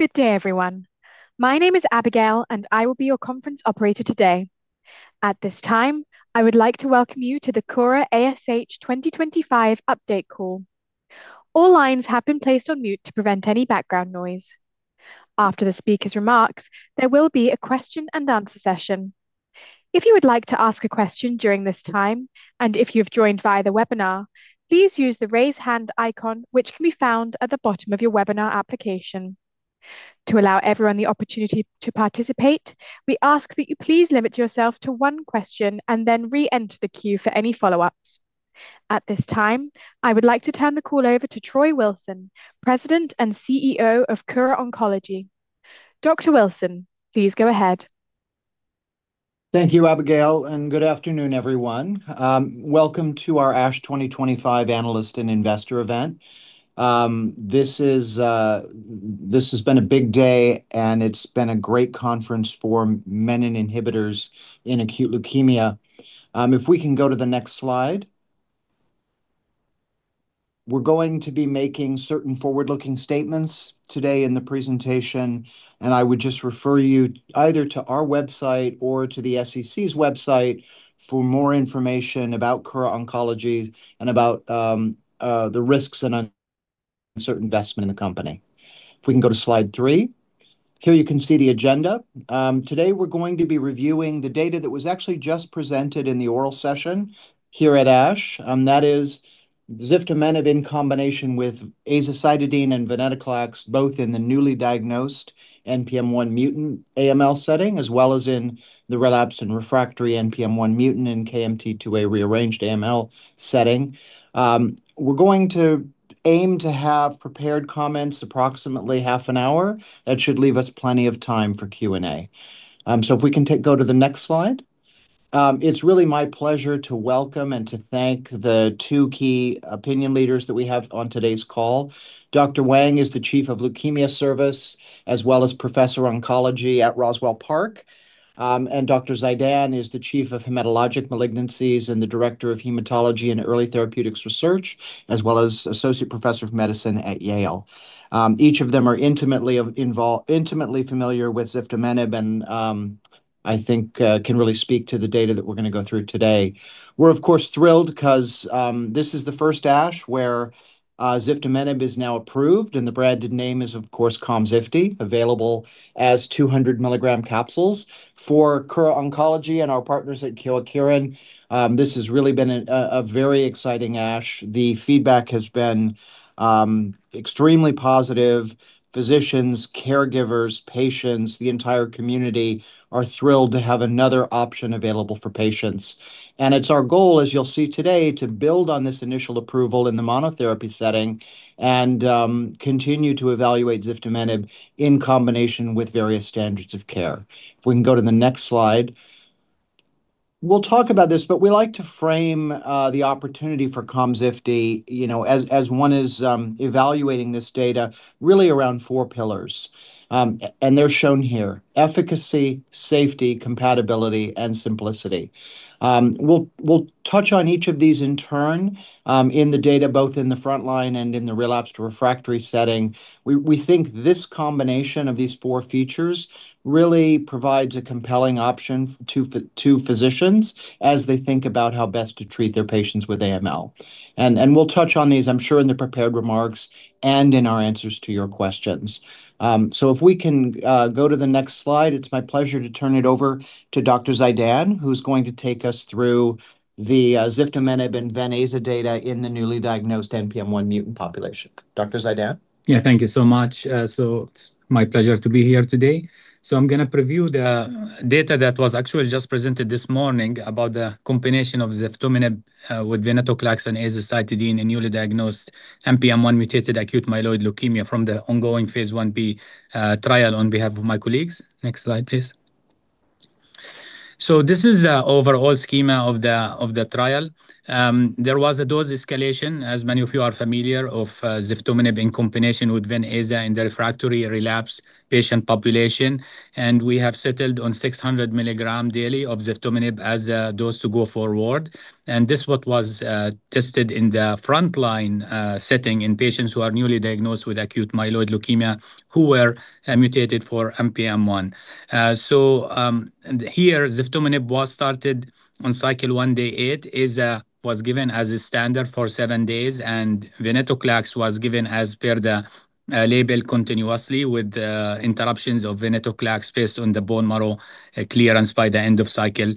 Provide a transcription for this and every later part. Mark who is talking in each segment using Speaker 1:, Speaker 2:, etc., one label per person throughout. Speaker 1: Good day, everyone. My name is Abigail, and I will be your conference operator today. At this time, I would like to welcome you to the Kura ASH 2025 update call. All lines have been placed on mute to prevent any background noise. After the speakers' remarks, there will be a question-and-answer session. If you would like to ask a question during this time, and if you have joined via the webinar, please use the raise hand icon, which can be found at the bottom of your webinar application. To allow everyone the opportunity to participate, we ask that you please limit yourself to one question and then re-enter the queue for any follow-ups. At this time, I would like to turn the call over to Troy Wilson, President and CEO of Kura Oncology. Dr. Wilson, please go ahead.
Speaker 2: Thank you, Abigail, and good afternoon, everyone. Welcome to our ASH 2025 analyst and investor event. This has been a big day, and it's been a great conference for menin inhibitors in acute leukemia. If we can go to the next slide, we're going to be making certain forward-looking statements today in the presentation, and I would just refer you either to our website or to the SEC's website for more information about Kura Oncology and about the risks and uncertainties of investment in the company. If we can go to slide three, here you can see the agenda. Today, we're going to be reviewing the data that was actually just presented in the oral session here at ASH, that is ziftomenib in combination with azacitidine and venetoclax, both in the newly diagnosed NPM1-mutated AML setting, as well as in the relapsed/refractory NPM1-mutated and KMT2A-rearranged AML setting. We're going to aim to have prepared comments approximately half an hour. That should leave us plenty of time for Q&A. So if we can go to the next slide, it's really my pleasure to welcome and to thank the two key opinion leaders that we have on today's call. Dr. Wang is the Chief of Leukemia Service, as well as Professor of Oncology at Roswell Park Comprehensive Cancer Center, and Dr. Zeidan is the Chief of Hematologic Malignancies and the Director of Hematology and Early Therapeutics Research, as well as Associate Professor of Medicine at Yale. Each of them are intimately familiar with ziftomenib, and I think can really speak to the data that we're going to go through today. We're, of course, thrilled because this is the first ASH where ziftomenib is now approved, and the branded name is, of course, Komzifti, available as 200 milligram capsules. For Kura Oncology and our partners at Kyowa Kirin, this has really been a very exciting ASH. The feedback has been extremely positive. Physicians, caregivers, patients, the entire community are thrilled to have another option available for patients. And it's our goal, as you'll see today, to build on this initial approval in the monotherapy setting and continue to evaluate ziftomenib in combination with various standards of care. If we can go to the next slide, we'll talk about this, but we like to frame the opportunity for ziftomenib, you know, as one is evaluating this data, really around four pillars, and they're shown here: efficacy, safety, compatibility, and simplicity. We'll touch on each of these in turn in the data, both in the frontline and in the relapsed refractory setting. We think this combination of these four features really provides a compelling option to physicians as they think about how best to treat their patients with AML, and we'll touch on these, I'm sure, in the prepared remarks and in our answers to your questions, so if we can go to the next slide, it's my pleasure to turn it over to Dr. Zeidan, who's going to take us through the ziftomenib and venetoclax azacitidine data in the newly diagnosed NPM1-mutated population. Dr. Zeidan?
Speaker 3: Yeah, thank you so much. So it's my pleasure to be here today. So I'm going to preview the data that was actually just presented this morning about the combination of ziftomenib with venetoclax and azacitidine in newly diagnosed NPM1 mutated acute myeloid leukemia from the ongoing phase 1b trial on behalf of my colleagues. Next slide, please. So this is the overall schema of the trial. There was a dose escalation, as many of you are familiar, of ziftomenib in combination with venetoclax and azacitidine in the refractory relapsed patient population, and we have settled on 600 milligram daily of ziftomenib as a dose to go forward, and this was tested in the frontline setting in patients who are newly diagnosed with acute myeloid leukemia who were mutated for NPM1. So here, ziftomenib was started on cycle one day eight, azacitidine was given as a standard for seven days, and venetoclax was given as per the label continuously with interruptions of venetoclax based on the bone marrow clearance by the end of cycle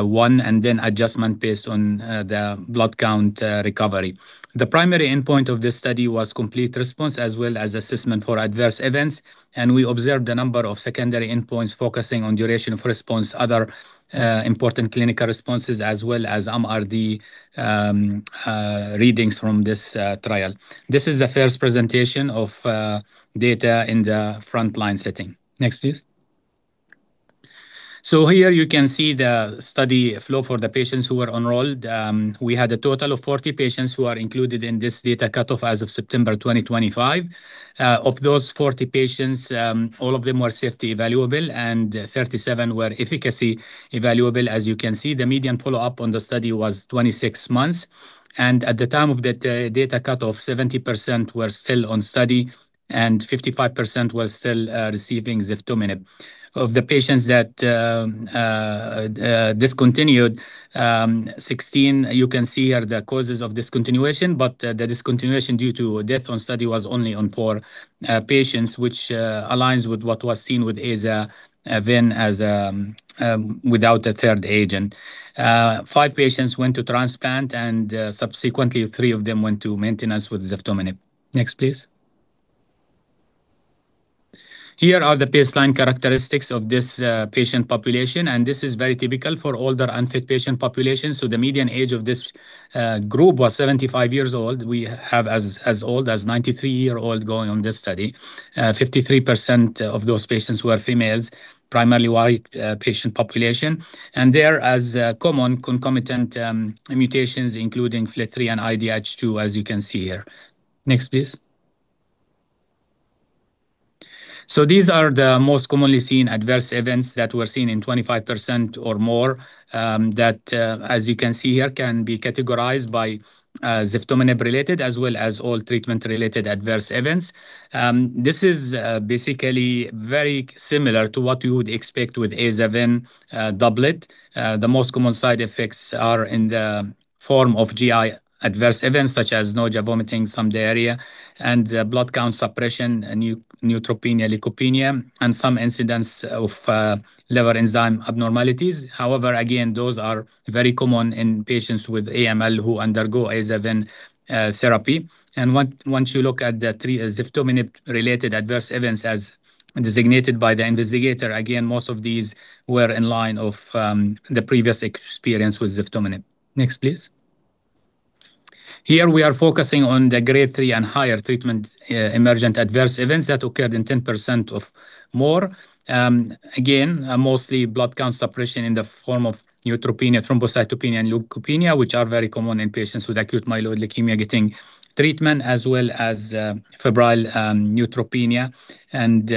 Speaker 3: one and then adjustment based on the blood count recovery. The primary endpoint of this study was complete response as well as assessment for adverse events, and we observed a number of secondary endpoints focusing on duration of response, other important clinical responses, as well as MRD readings from this trial. This is the first presentation of data in the frontline setting. Next, please. So here you can see the study flow for the patients who were enrolled. We had a total of 40 patients who are included in this data cutoff as of September 2025. Of those 40 patients, all of them were safety evaluable, and 37 were efficacy evaluable. As you can see, the median follow-up on the study was 26 months, and at the time of the data cutoff, 70% were still on study and 55% were still receiving ziftomenib. Of the patients that discontinued, 16, you can see here the causes of discontinuation, but the discontinuation due to death on study was only on four patients, which aligns with what was seen with azacitidine without a third agent. Five patients went to transplant, and subsequently, three of them went to maintenance with ziftomenib. Next, please. Here are the baseline characteristics of this patient population, and this is very typical for older unfit patient population. So the median age of this group was 75 years old. We have as old as 93 years old going on this study. 53% of those patients were females, primarily white patient population, and there are common concomitant mutations including FLT3 and IDH2, as you can see here. Next, please. So these are the most commonly seen adverse events that were seen in 25% or more that, as you can see here, can be categorized by ziftomenib related as well as all treatment-related adverse events. This is basically very similar to what you would expect with azacitidine doublet. The most common side effects are in the form of GI adverse events such as nausea, vomiting, some diarrhea, and blood count suppression, neutropenia, leukopenia, and some incidence of liver enzyme abnormalities. However, again, those are very common in patients with AML who undergo azad therapy. Once you look at the three ziftomenib-related adverse events as designated by the investigator, again, most of these were in line with the previous experience with ziftomenib. Next, please. Here we are focusing on the Grade 3 and higher treatment-emergent adverse events that occurred in 10% or more. Again, mostly blood count suppression in the form of neutropenia, thrombocytopenia, and leukopenia, which are very common in patients with acute myeloid leukemia getting treatment, as well as febrile neutropenia and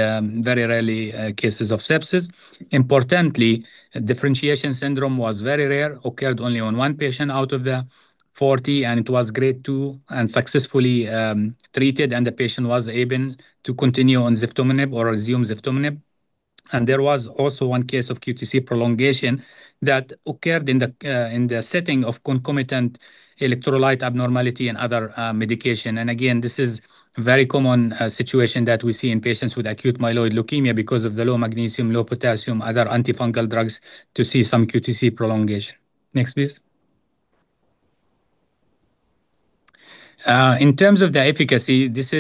Speaker 3: very rarely cases of sepsis. Importantly, differentiation syndrome was very rare, occurred only in one patient out of the 40, and it was Grade 2 and successfully treated, and the patient was able to continue on ziftomenib or resume ziftomenib. There was also one case of QTc prolongation that occurred in the setting of concomitant electrolyte abnormality and other medication. This is a very common situation that we see in patients with acute myeloid leukemia because of the low magnesium, low potassium, other antifungal drugs to see some QTc prolongation. Next, please. In terms of the efficacy, this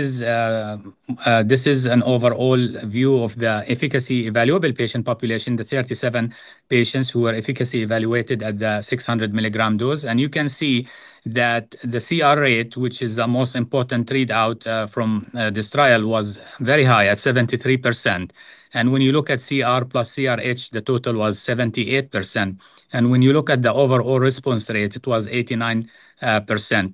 Speaker 3: is an overall view of the efficacy evaluable patient population, the 37 patients who were efficacy evaluated at the 600 milligram dose. You can see that the CR rate, which is the most important readout from this trial, was very high at 73%. When you look at CR plus CRh, the total was 78%. When you look at the overall response rate, it was 89%.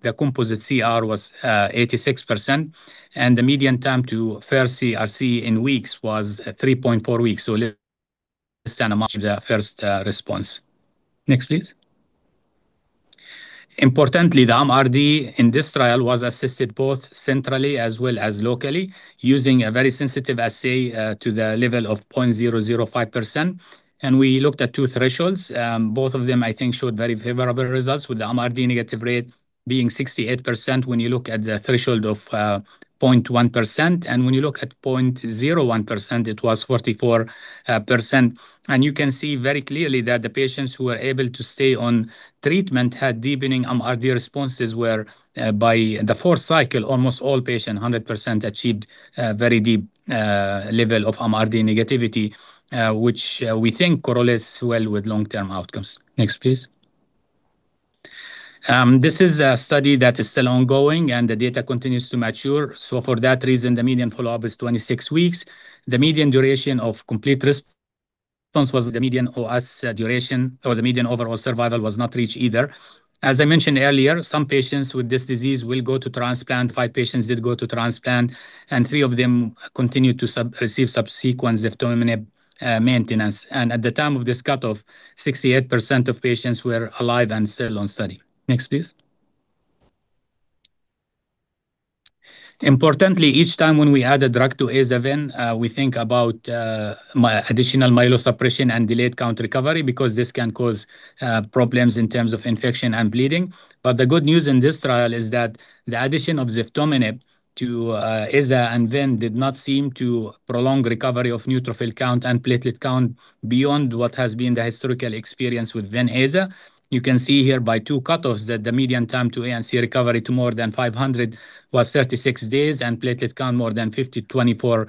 Speaker 3: The composite CR was 86%, and the median time to first CRc in weeks was 3.4 weeks. This is the first response. Next, please. Importantly, the MRD in this trial was assessed both centrally as well as locally using a very sensitive assay to the level of 0.005%. And we looked at two thresholds. Both of them, I think, showed very favorable results, with the MRD negative rate being 68% when you look at the threshold of 0.1%, and when you look at 0.01%, it was 44%. And you can see very clearly that the patients who were able to stay on treatment had deepening MRD responses where by the fourth cycle, almost all patients 100% achieved a very deep level of MRD negativity, which we think correlates well with long-term outcomes. Next, please. This is a study that is still ongoing, and the data continues to mature. So for that reason, the median follow-up is 26 weeks. The median duration of complete response was the median OS duration or the median overall survival was not reached either. As I mentioned earlier, some patients with this disease will go to transplant. Five patients did go to transplant, and three of them continued to receive subsequent ziftomenib maintenance. And at the time of this cutoff, 68% of patients were alive and still on study. Next, please. Importantly, each time when we add a drug to azacitidine, we think about additional myeloid suppression and delayed count recovery because this can cause problems in terms of infection and bleeding. But the good news in this trial is that the addition of ziftomenib to azacitidine and venetoclax did not seem to prolong recovery of neutrophil count and platelet count beyond what has been the historical experience with venetoclax azacitidine. You can see here by two cutoffs that the median time to ANC recovery to more than 500 was 36 days and platelet count more than 50,000 was 24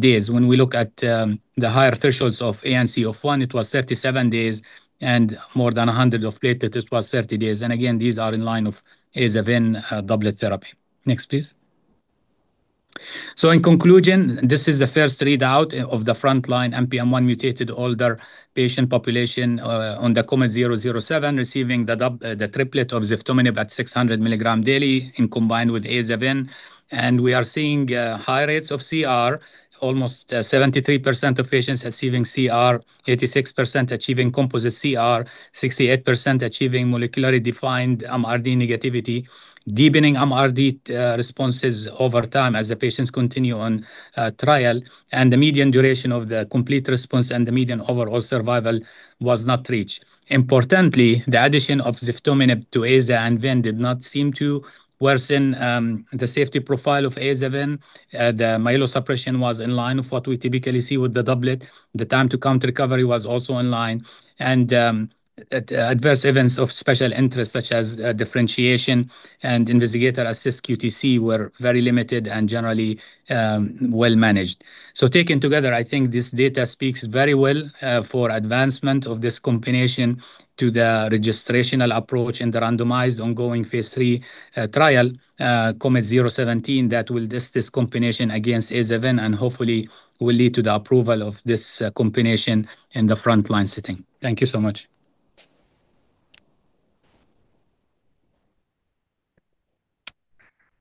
Speaker 3: days. When we look at the higher thresholds of ANC of 1,000, it was 37 days, and more than 100,000 of platelet, it was 30 days. Again, these are in line with aza doublet therapy. Next, please. In conclusion, this is the first readout of the frontline NPM1 mutated older patient population in the COMET-007 receiving the triplet of ziftomenib at 600 milligram daily combined with azacitidine. We are seeing high rates of CR, almost 73% of patients achieving CR, 86% achieving composite CR, 68% achieving molecularly defined MRD negativity, deepening MRD responses over time as the patients continue on trial, and the median duration of the complete response and the median overall survival was not reached. Importantly, the addition of ziftomenib to Aza and Ven did not seem to worsen the safety profile of Ven-Aza. The myeloid suppression was in line with what we typically see with the doublet. The time to count recovery was also in line, and adverse events of special interest such as differentiation and investigator-assessed QTc were very limited and generally well managed. So taken together, I think this data speaks very well for advancement of this combination to the registrational approach in the randomized ongoing phase three trial, COMET-017, that will test this combination against azacitidine and hopefully will lead to the approval of this combination in the frontline setting. Thank you so much.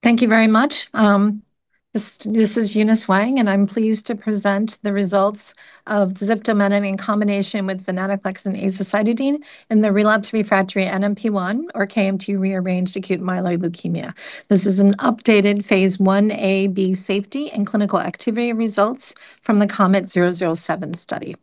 Speaker 4: Thank you very much. This is Eunice Wang, and I'm pleased to present the results of ziftomenib in combination with venetoclax and azacitidine in the relapsed refractory NPM1 or KMT2A-rearranged acute myeloid leukemia. This is an updated phase 1 A, B safety and clinical activity results from the COMET-007 study.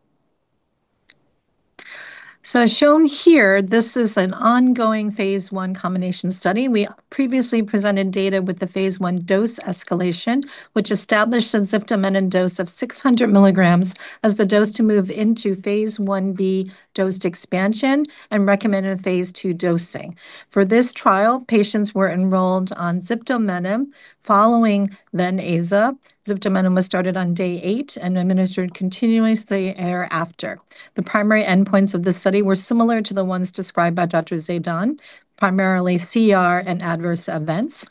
Speaker 4: As shown here, this is an ongoing phase 1 combination study. We previously presented data with the phase 1 dose escalation, which established a ziftomenib dose of 600 milligrams as the dose to move into phase 1 B dose expansion and recommended phase 2 dosing. For this trial, patients were enrolled on ziftomenib following Ven-Aza. Ziftomenib was started on day eight and administered continuously thereafter. The primary endpoints of the study were similar to the ones described by Dr. Zeidan, primarily CR and adverse events.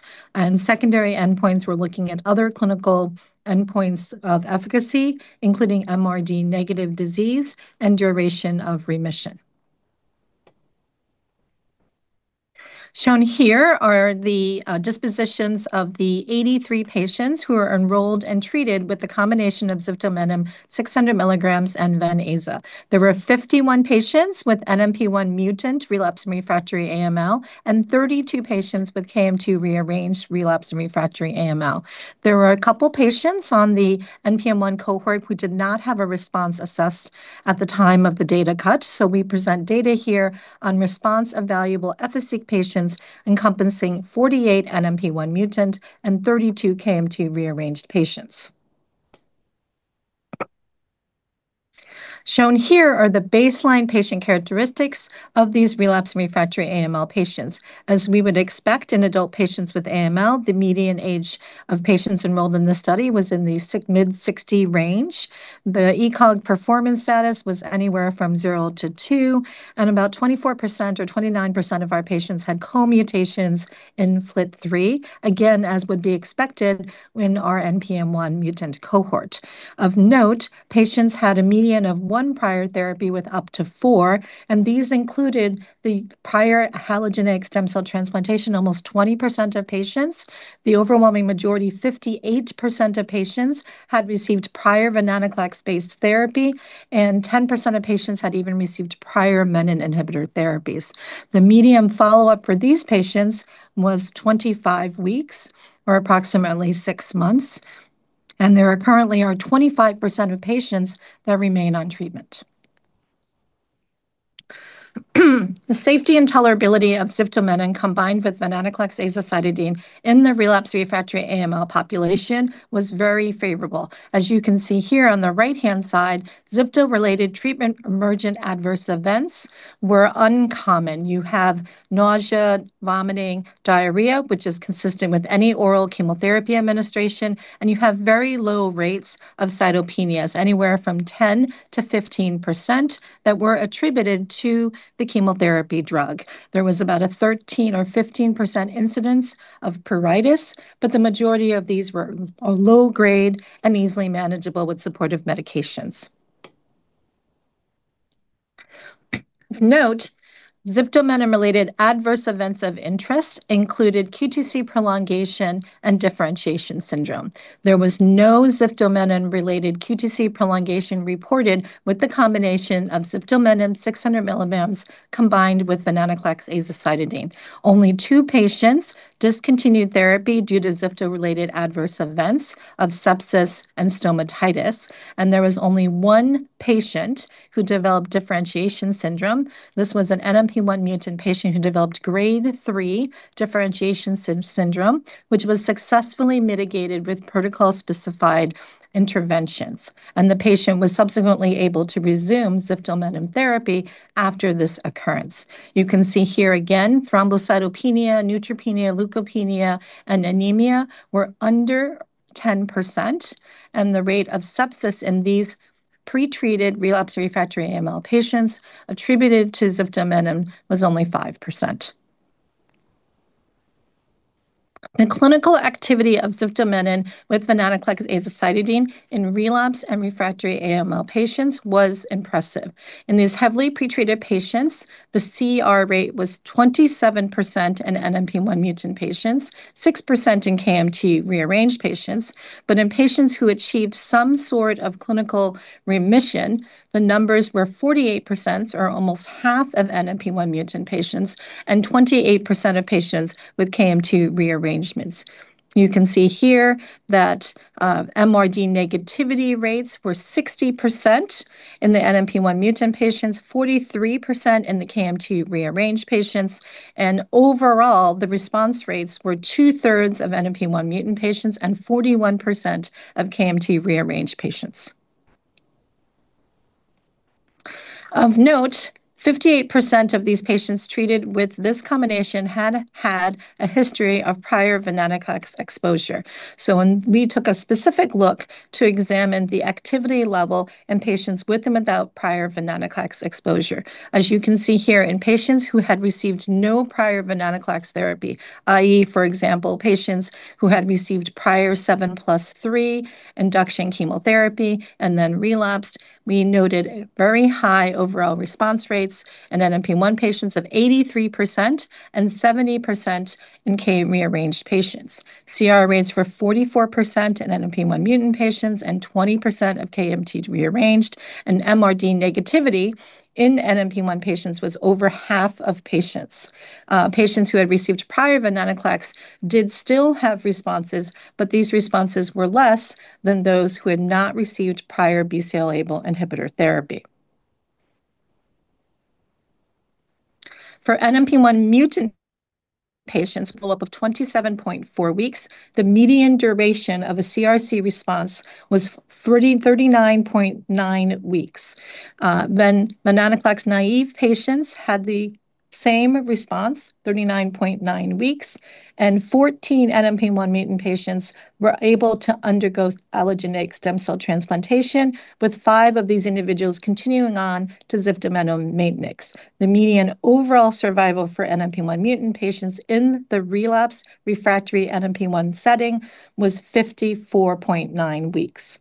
Speaker 4: Secondary endpoints were looking at other clinical endpoints of efficacy, including MRD negative disease and duration of remission. Shown here are the dispositions of the 83 patients who were enrolled and treated with the combination of ziftomenib 600 milligrams and venetoclax. There were 51 patients with NPM1-mutated relapsed/refractory AML and 32 patients with KMT2A-rearranged relapsed/refractory AML. There were a couple of patients on the NPM1 cohort who did not have a response assessed at the time of the data cut. We present data here on response evaluable efficacy patients encompassing 48 NPM1-mutated and 32 KMT2A-rearranged patients. Shown here are the baseline patient characteristics of these relapsed/refractory AML patients. As we would expect in adult patients with AML, the median age of patients enrolled in the study was in the mid-60s range. The ECOG performance status was anywhere from zero to two, and about 24% or 29% of our patients had co-mutations in FLT3, again, as would be expected in our NPM1-mutated cohort. Of note, patients had a median of one prior therapy with up to four, and these included the prior allogeneic stem cell transplantation, almost 20% of patients. The overwhelming majority, 58% of patients, had received prior venetoclax-based therapy, and 10% of patients had even received prior menin inhibitor therapies. The median follow-up for these patients was 25 weeks or approximately six months, and there currently are 25% of patients that remain on treatment. The safety and tolerability of ziftomenib combined with venetoclax azacitidine in the relapsed refractory AML population was very favorable. As you can see here on the right-hand side, ziftomenib-related treatment emergent adverse events were uncommon. You have nausea, vomiting, diarrhea, which is consistent with any oral chemotherapy administration, and you have very low rates of cytopenias, anywhere from 10%-15% that were attributed to the chemotherapy drug. There was about a 13% or 15% incidence of pruritus, but the majority of these were low-grade and easily manageable with supportive medications. Of note, ziftomenib-related adverse events of interest included QTc prolongation and differentiation syndrome. There was no ziftomenib-related QTc prolongation reported with the combination of ziftomenib 600 milligrams combined with venetoclax azacitidine. Only two patients discontinued therapy due to ziftomenib-related adverse events of sepsis and stomatitis, and there was only one patient who developed differentiation syndrome. This was an NPM1-mutated patient who developed Grade 3 differentiation syndrome, which was successfully mitigated with protocol-specified interventions. The patient was subsequently able to resume ziftomenib therapy after this occurrence. You can see here again, thrombocytopenia, neutropenia, leukopenia, and anemia were under 10%, and the rate of sepsis in these pretreated relapsed refractory AML patients attributed to ziftomenib was only 5%. The clinical activity of ziftomenib with venetoclax azacitidine in relapsed/refractory AML patients was impressive. In these heavily pretreated patients, the CR rate was 27% in NPM1-mutated patients, 6% in KMT2A-rearranged patients, but in patients who achieved some sort of clinical remission, the numbers were 48% or almost half of NPM1-mutated patients and 28% of patients with KMT2A rearrangements. You can see here that MRD negativity rates were 60% in the NPM1-mutated patients, 43% in the KMT2A-rearranged patients, and overall, the response rates were two-thirds of NPM1-mutated patients and 41% of KMT2A-rearranged patients. Of note, 58% of these patients treated with this combination had had a history of prior venetoclax exposure. So we took a specific look to examine the activity level in patients with and without prior venetoclax exposure. As you can see here, in patients who had received no prior venetoclax therapy, i.e., for example, patients who had received prior 7+3 induction chemotherapy and then relapsed, we noted very high overall response rates in NPM1 patients of 83% and 70% in KMT2A-rearranged patients. CR rates were 44% in NPM1-mutated patients and 20% of KMT2A-rearranged, and MRD negativity in NPM1 patients was over half of patients. Patients who had received prior venetoclax did still have responses, but these responses were less than those who had not received prior BCL-2 inhibitor therapy. For NPM1-mutated patients, follow-up of 27.4 weeks, the median duration of a CRc response was 39.9 weeks. Then venetoclax naive patients had the same response, 39.9 weeks, and 14 NPM1-mutated patients were able to undergo allogeneic stem cell transplantation, with five of these individuals continuing on to ziftomenib maintenance. The median overall survival for NPM1-mutated patients in the relapsed refractory NPM1 setting was 54.9 weeks.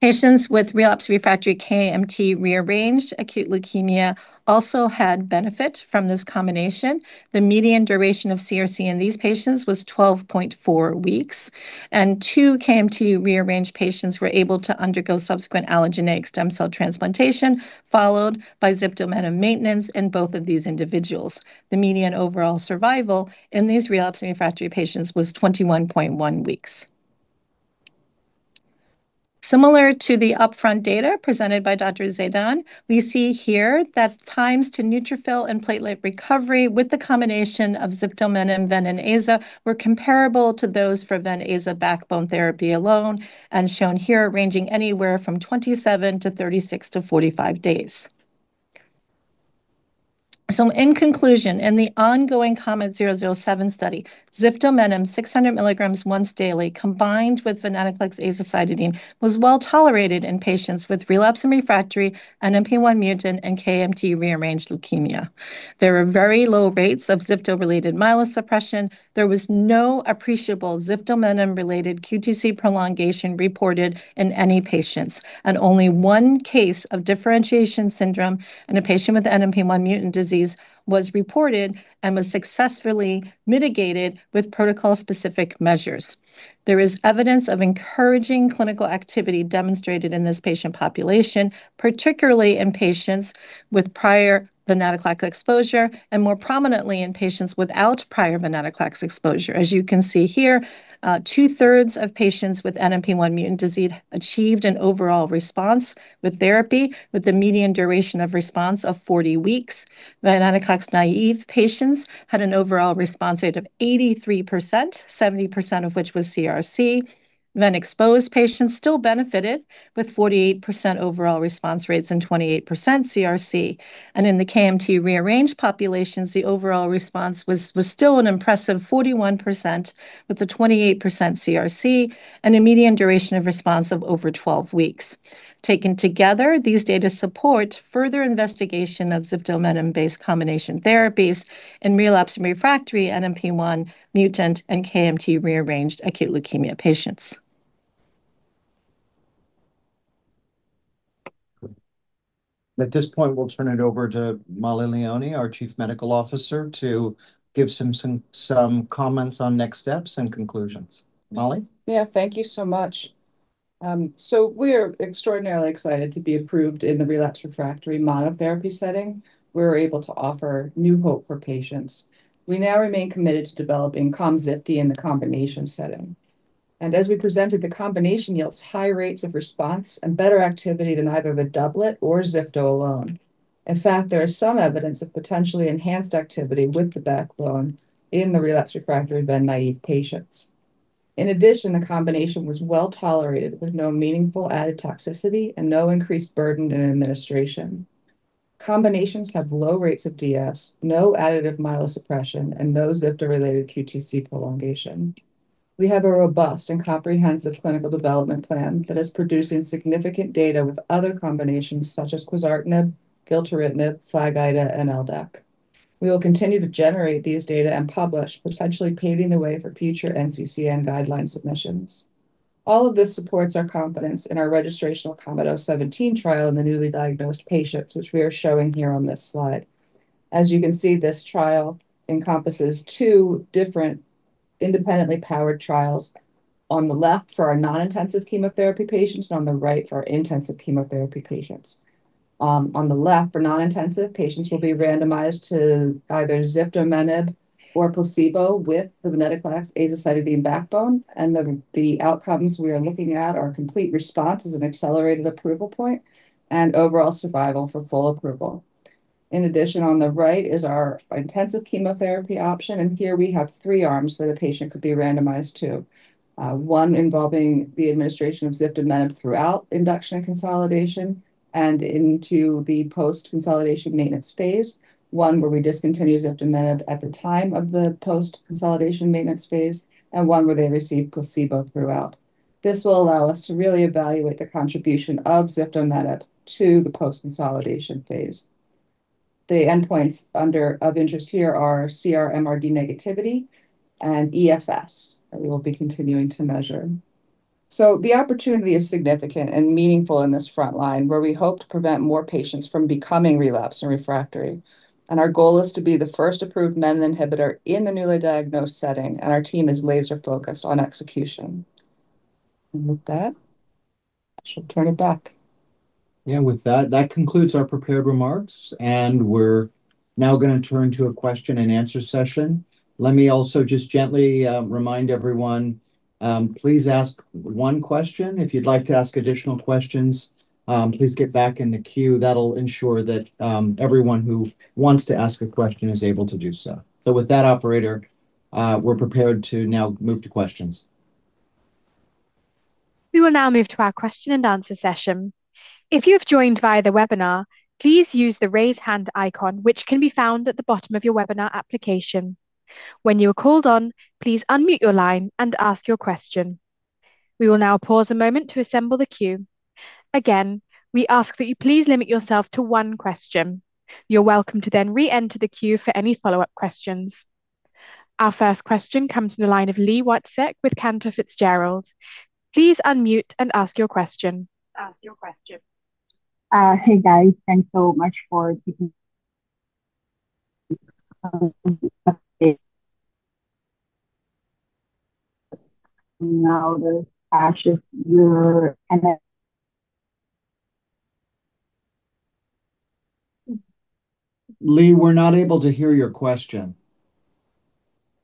Speaker 4: Patients with relapsed refractory KMT2A-rearranged acute leukemia also had benefit from this combination. The median duration of CRc in these patients was 12.4 weeks, and two KMT2A-rearranged patients were able to undergo subsequent allogeneic stem cell transplantation, followed by ziftomenib maintenance in both of these individuals. The median overall survival in these relapsed refractory patients was 21.1 weeks. Similar to the upfront data presented by Dr. Zeidan, we see here that times to neutrophil and platelet recovery with the combination of ziftomenib, Ven-Aza were comparable to those for Ven-Aza backbone therapy alone, and shown here ranging anywhere from 27 to 36 to 45 days. So in conclusion, in the ongoing COMET-007 study, ziftomenib 600 milligrams once daily combined with venetoclax azacitidine was well tolerated in patients with relapsed/refractory NPM1-mutant and KMT2A-rearranged leukemia. There were very low rates of ziftomenib-related myeloid suppression. There was no appreciable ziftomenib-related QTc prolongation reported in any patients, and only one case of differentiation syndrome in a patient with NPM1-mutant disease was reported and was successfully mitigated with protocol-specific measures. There is evidence of encouraging clinical activity demonstrated in this patient population, particularly in patients with prior venetoclax exposure and more prominently in patients without prior venetoclax exposure. As you can see here, two-thirds of patients with NPM1-mutated disease achieved an overall response with therapy with the median duration of response of 40 weeks. Venetoclax-naive patients had an overall response rate of 83%, 70% of which was CRc. Venetoclax-exposed patients still benefited with 48% overall response rates and 28% CRc. And in the KMT2A-rearranged populations, the overall response was still an impressive 41% with the 28% CRc and a median duration of response of over 12 weeks. Taken together, these data support further investigation of ziftomenib-based combination therapies in relapsed/refractory NPM1-mutated and KMT2A-rearranged acute leukemia patients.
Speaker 2: At this point, we'll turn it over to Mollie Leoni, our Chief Medical Officer, to give some comments on next steps and conclusions. Mollie?
Speaker 5: Yeah, thank you so much. We are extraordinarily excited to be approved in the relapsed refractory monotherapy setting. We're able to offer new hope for patients. We now remain committed to developing Komzifti in the combination setting. As we presented, the combination yields high rates of response and better activity than either the doublet or Zifto alone. In fact, there is some evidence of potentially enhanced activity with the backbone in the relapsed refractory venetoclax-naive patients. In addition, the combination was well tolerated with no meaningful added toxicity and no increased burden in administration. The combination has low rates of DS, no additive myeloid suppression, and no Zifto-related QTc prolongation. We have a robust and comprehensive clinical development plan that is producing significant data with other combinations such as quizartinib, gilteritinib, FLAG-IDA, and LDAC. We will continue to generate these data and publish, potentially paving the way for future NCCN guideline submissions. All of this supports our confidence in our registrational COMET-017 trial in the newly diagnosed patients, which we are showing here on this slide. As you can see, this trial encompasses two different independently powered trials. On the left for our non-intensive chemotherapy patients and on the right for our intensive chemotherapy patients. On the left for non-intensive patients will be randomized to either ziftomenib or placebo with the venetoclax azacitidine backbone, and the outcomes we are looking at are complete response as an accelerated approval point and overall survival for full approval. In addition, on the right is our intensive chemotherapy option. Here we have three arms that a patient could be randomized to, one involving the administration of ziftomenib throughout induction and consolidation and into the post-consolidation maintenance phase, one where we discontinue ziftomenib at the time of the post-consolidation maintenance phase, and one where they receive placebo throughout. This will allow us to really evaluate the contribution of ziftomenib to the post-consolidation phase. The endpoints of interest here are CR, MRD negativity, and EFS that we will be continuing to measure. The opportunity is significant and meaningful in this frontline where we hope to prevent more patients from becoming relapsed/refractory. Our goal is to be the first approved menin inhibitor in the newly diagnosed setting, and our team is laser-focused on execution. With that, I should turn it back.
Speaker 2: Yeah, with that, that concludes our prepared remarks, and we're now going to turn to a question and answer session. Let me also just gently remind everyone, please ask one question. If you'd like to ask additional questions, please get back in the queue. That'll ensure that everyone who wants to ask a question is able to do so. So with that, operator, we're prepared to now move to questions.
Speaker 1: We will now move to our question and answer session. If you have joined via the webinar, please use the raise hand icon, which can be found at the bottom of your webinar application. When you are called on, please unmute your line and ask your question. We will now pause a moment to assemble the queue. Again, we ask that you please limit yourself to one question. You're welcome to then re-enter the queue for any follow-up questions. Our first question comes from the line of Li Watsek with Cantor Fitzgerald. Please unmute and ask your question. Ask your question.
Speaker 6: Hey guys, thanks so much for taking now the ASH's your.
Speaker 2: Li, we're not able to hear your question.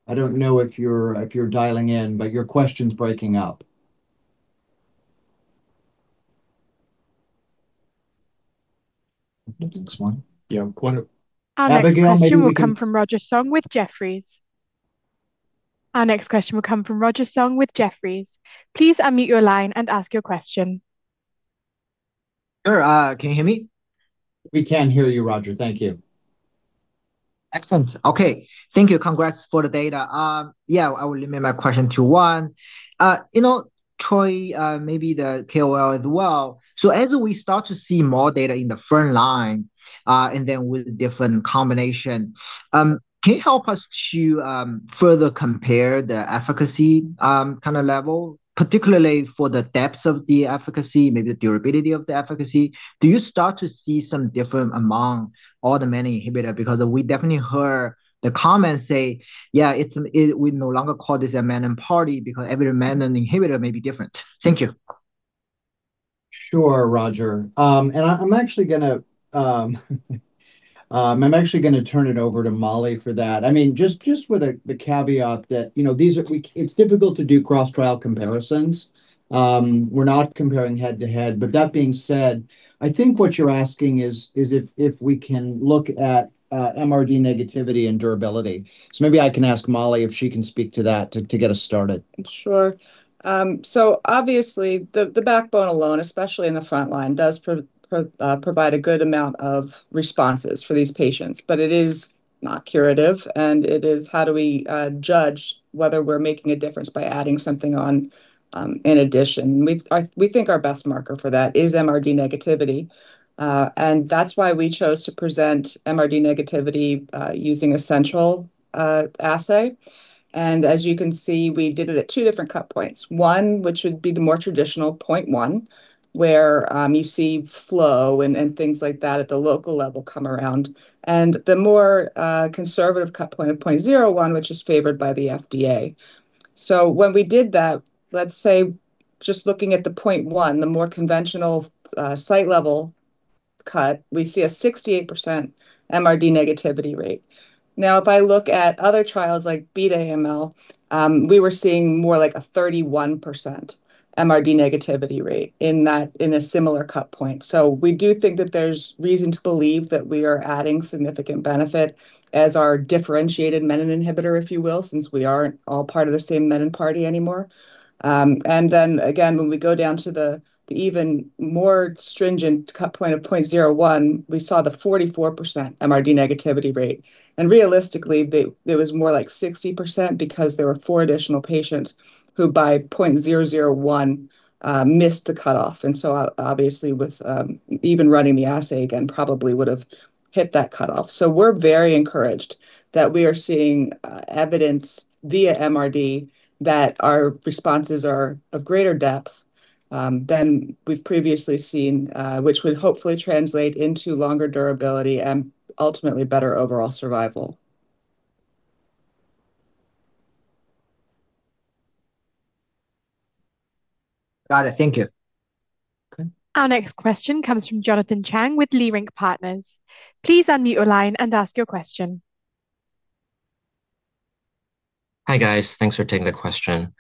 Speaker 2: I don't know if you're dialing in, but your question's breaking up. Next one.
Speaker 6: Yeah, one of.
Speaker 1: Our next question will come from Roger Song with Jefferies. Please unmute your line and ask your question.
Speaker 7: Sure. Can you hear me?
Speaker 2: We can hear you, Roger. Thank you.
Speaker 7: Excellent. Okay. Thank you. Congrats for the data. Yeah, I will limit my question to one. Troy, maybe the KOL as well. So as we start to see more data in the front line and then with different combination, can you help us to further compare the efficacy kind of level, particularly for the depth of the efficacy, maybe the durability of the efficacy? Do you start to see some difference among all the menin inhibitors? Because we definitely heard the comments say, yeah, we no longer call this a menin party because every menin inhibitor may be different. Thank you.
Speaker 2: Sure, Roger. And I'm actually going to turn it over to Mollie for that. I mean, just with the caveat that it's difficult to do cross-trial comparisons. We're not comparing head to head. But that being said, I think what you're asking is if we can look at MRD negativity and durability. So maybe I can ask Mollie if she can speak to that to get us started.
Speaker 5: Sure. So obviously, the backbone alone, especially in the frontline, does provide a good amount of responses for these patients, but it is not curative. And it is how do we judge whether we're making a difference by adding something on in addition. We think our best marker for that is MRD negativity. And that's why we chose to present MRD negativity using a central assay. And as you can see, we did it at two different cut points. One, which would be the more traditional 0.1, where you see flow and things like that at the local level come around. And the more conservative cut point, 0.01, which is favored by the FDA. So when we did that, let's say just looking at the 0.1, the more conventional site level cut, we see a 68% MRD negativity rate. Now, if I look at other trials like BEAT AML, we were seeing more like a 31% MRD negativity rate in a similar cut point. So we do think that there's reason to believe that we are adding significant benefit as our differentiated menin inhibitor, if you will, since we aren't all part of the same menin party anymore. And then again, when we go down to the even more stringent cut point of 0.01, we saw the 44% MRD negativity rate. And realistically, it was more like 60% because there were four additional patients who by 0.001 missed the cutoff. And so obviously, with even running the assay again, probably would have hit that cutoff. So we're very encouraged that we are seeing evidence via MRD that our responses are of greater depth than we've previously seen, which would hopefully translate into longer durability and ultimately better overall survival.
Speaker 7: Got it. Thank you.
Speaker 1: Okay. Our next question comes from Jonathan Chang with Leerink Partners. Please unmute your line and ask your question.
Speaker 8: Hi guys. Thanks for taking the question.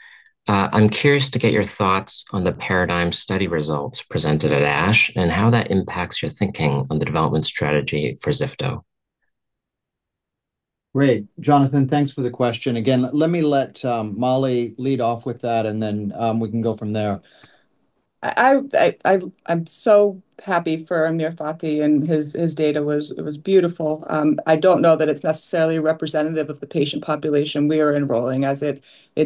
Speaker 8: I'm curious to get your thoughts on the Paradigm study results presented at ASH and how that impacts your thinking on the development strategy for Zifto.
Speaker 2: Great. Jonathan, thanks for the question. Again, let me let Mollie lead off with that, and then we can go from there.
Speaker 5: I'm so happy for Amir Fathi and his data was beautiful. I don't know that it's necessarily representative of the patient population we are enrolling as it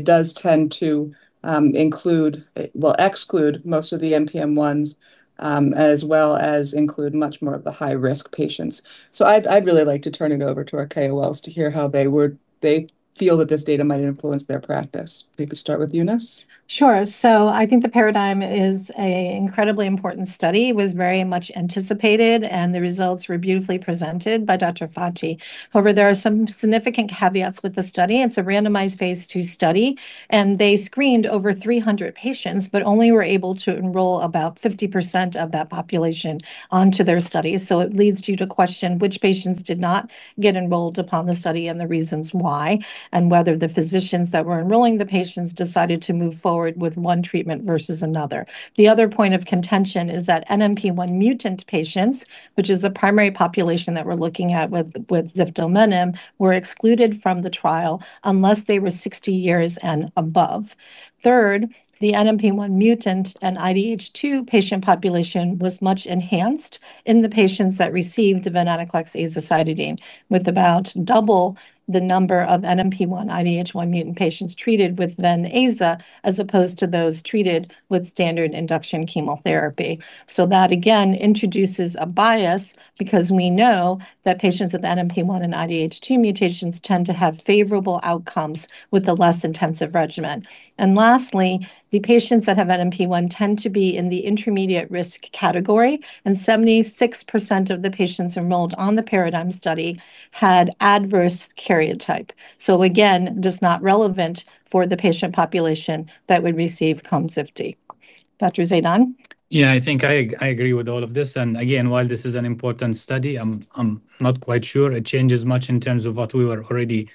Speaker 5: does tend to include, well, exclude most of the NPM1s as well as include much more of the high-risk patients. So I'd really like to turn it over to our KOLs to hear how they feel that this data might influence their practice. Maybe start with Eunice.
Speaker 4: Sure. So I think the Paradigm study is an incredibly important study. It was very much anticipated, and the results were beautifully presented by Dr. Fathi. However, there are some significant caveats with the study. It's a randomized phase 2 study, and they screened over 300 patients, but only were able to enroll about 50% of that population onto their study. So it leads you to question which patients did not get enrolled upon the study and the reasons why, and whether the physicians that were enrolling the patients decided to move forward with one treatment versus another. The other point of contention is that NPM1-mutated patients, which is the primary population that we're looking at with ziftomenib, were excluded from the trial unless they were 60 years and above. Third, the NPM1-mutated and IDH2 patient population was much enhanced in the patients that received venetoclax azacitidine, with about double the number of NPM1 IDH2 mutant patients treated with Ven-Aza, as opposed to those treated with standard induction chemotherapy. So that, again, introduces a bias because we know that patients with NPM1 and IDH2-mutated tend to have favorable outcomes with a less intensive regimen. And lastly, the patients that have NPM1 tend to be in the intermediate risk category, and 76% of the patients enrolled on the Paradigm study had adverse karyotype. So again, it is not relevant for the patient population that would receive Komzifti. Dr. Zeidan.
Speaker 3: Yeah, I think I agree with all of this and again, while this is an important study, I'm not quite sure it changes much in terms of what we were already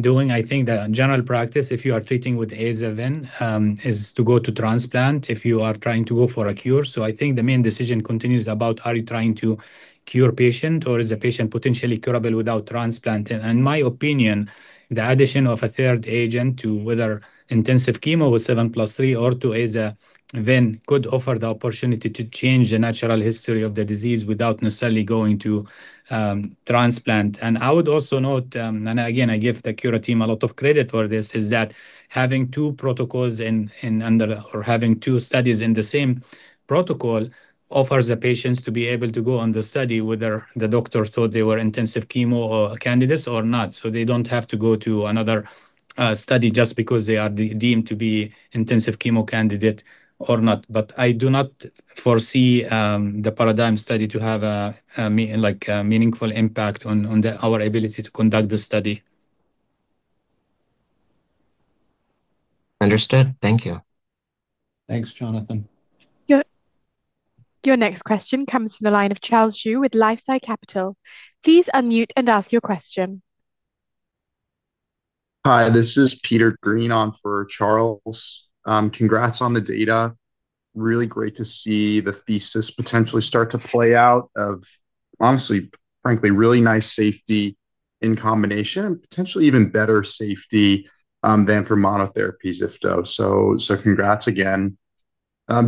Speaker 3: doing. I think the general practice, if you are treating with azacitidine, is to go to transplant if you are trying to go for a cure, so I think the main decision continues about are you trying to cure patient or is the patient potentially curable without transplant and in my opinion, the addition of a third agent to whether intensive chemo with 7+3 or to azacitidine could offer the opportunity to change the natural history of the disease without necessarily going to transplant. I would also note, and again, I give the Kura team a lot of credit for this, is that having two protocols or having two studies in the same protocol offers the patients to be able to go on the study whether the doctor thought they were intensive chemo candidates or not. So they don't have to go to another study just because they are deemed to be intensive chemo candidate or not. But I do not foresee the Paradigm study to have a meaningful impact on our ability to conduct the study.
Speaker 8: Understood. Thank you.
Speaker 2: Thanks, Jonathan.
Speaker 1: Your next question comes from the line of Charles Zhu with LifeSci Capital. Please unmute and ask your question.
Speaker 9: Hi, this is Peter Green on for Charles. Congrats on the data. Really great to see the thesis potentially start to play out of, honestly, frankly, really nice safety in combination and potentially even better safety than for monotherapy Zifto. So congrats again.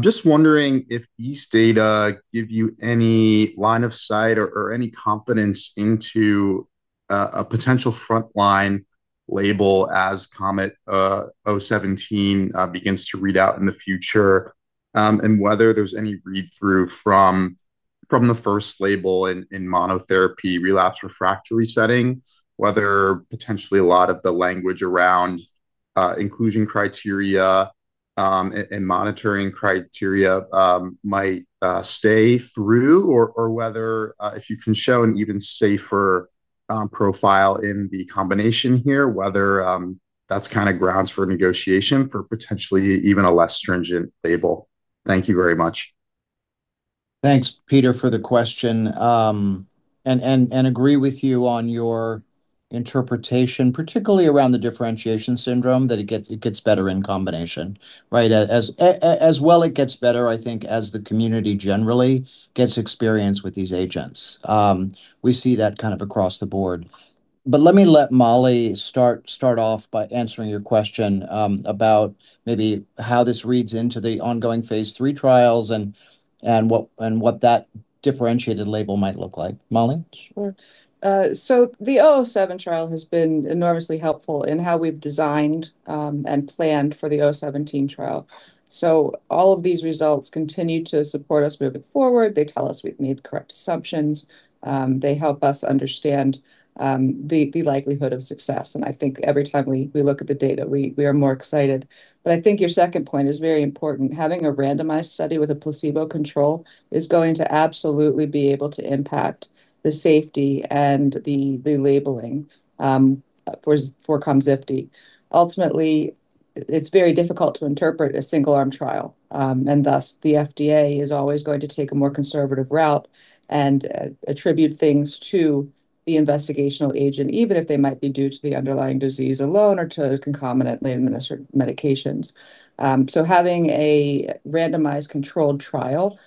Speaker 9: Just wondering if these data give you any line of sight or any confidence into a potential frontline label as COMET-017 begins to read out in the future and whether there's any read-through from the first label in monotherapy relapse refractory setting, whether potentially a lot of the language around inclusion criteria and monitoring criteria might stay through, or whether if you can show an even safer profile in the combination here, whether that's kind of grounds for negotiation for potentially even a less stringent label. Thank you very much.
Speaker 2: Thanks, Peter, for the question. I agree with you on your interpretation, particularly around the differentiation syndrome, that it gets better in combination. Right? As well it gets better, I think, as the community generally gets experience with these agents. We see that kind of across the board. But let me let Mollie start off by answering your question about maybe how this reads into the ongoing phase 3 trials and what that differentiated label might look like. Mollie?
Speaker 5: Sure. So the 007 trial has been enormously helpful in how we've designed and planned for the 017 trial. So all of these results continue to support us moving forward. They tell us we've made correct assumptions. They help us understand the likelihood of success. And I think every time we look at the data, we are more excited. But I think your second point is very important. Having a randomized study with a placebo control is going to absolutely be able to impact the safety and the labeling for Komzifti. Ultimately, it's very difficult to interpret a single-arm trial. And thus, the FDA is always going to take a more conservative route and attribute things to the investigational agent, even if they might be due to the underlying disease alone or to concomitantly administered medications. Having a randomized controlled trial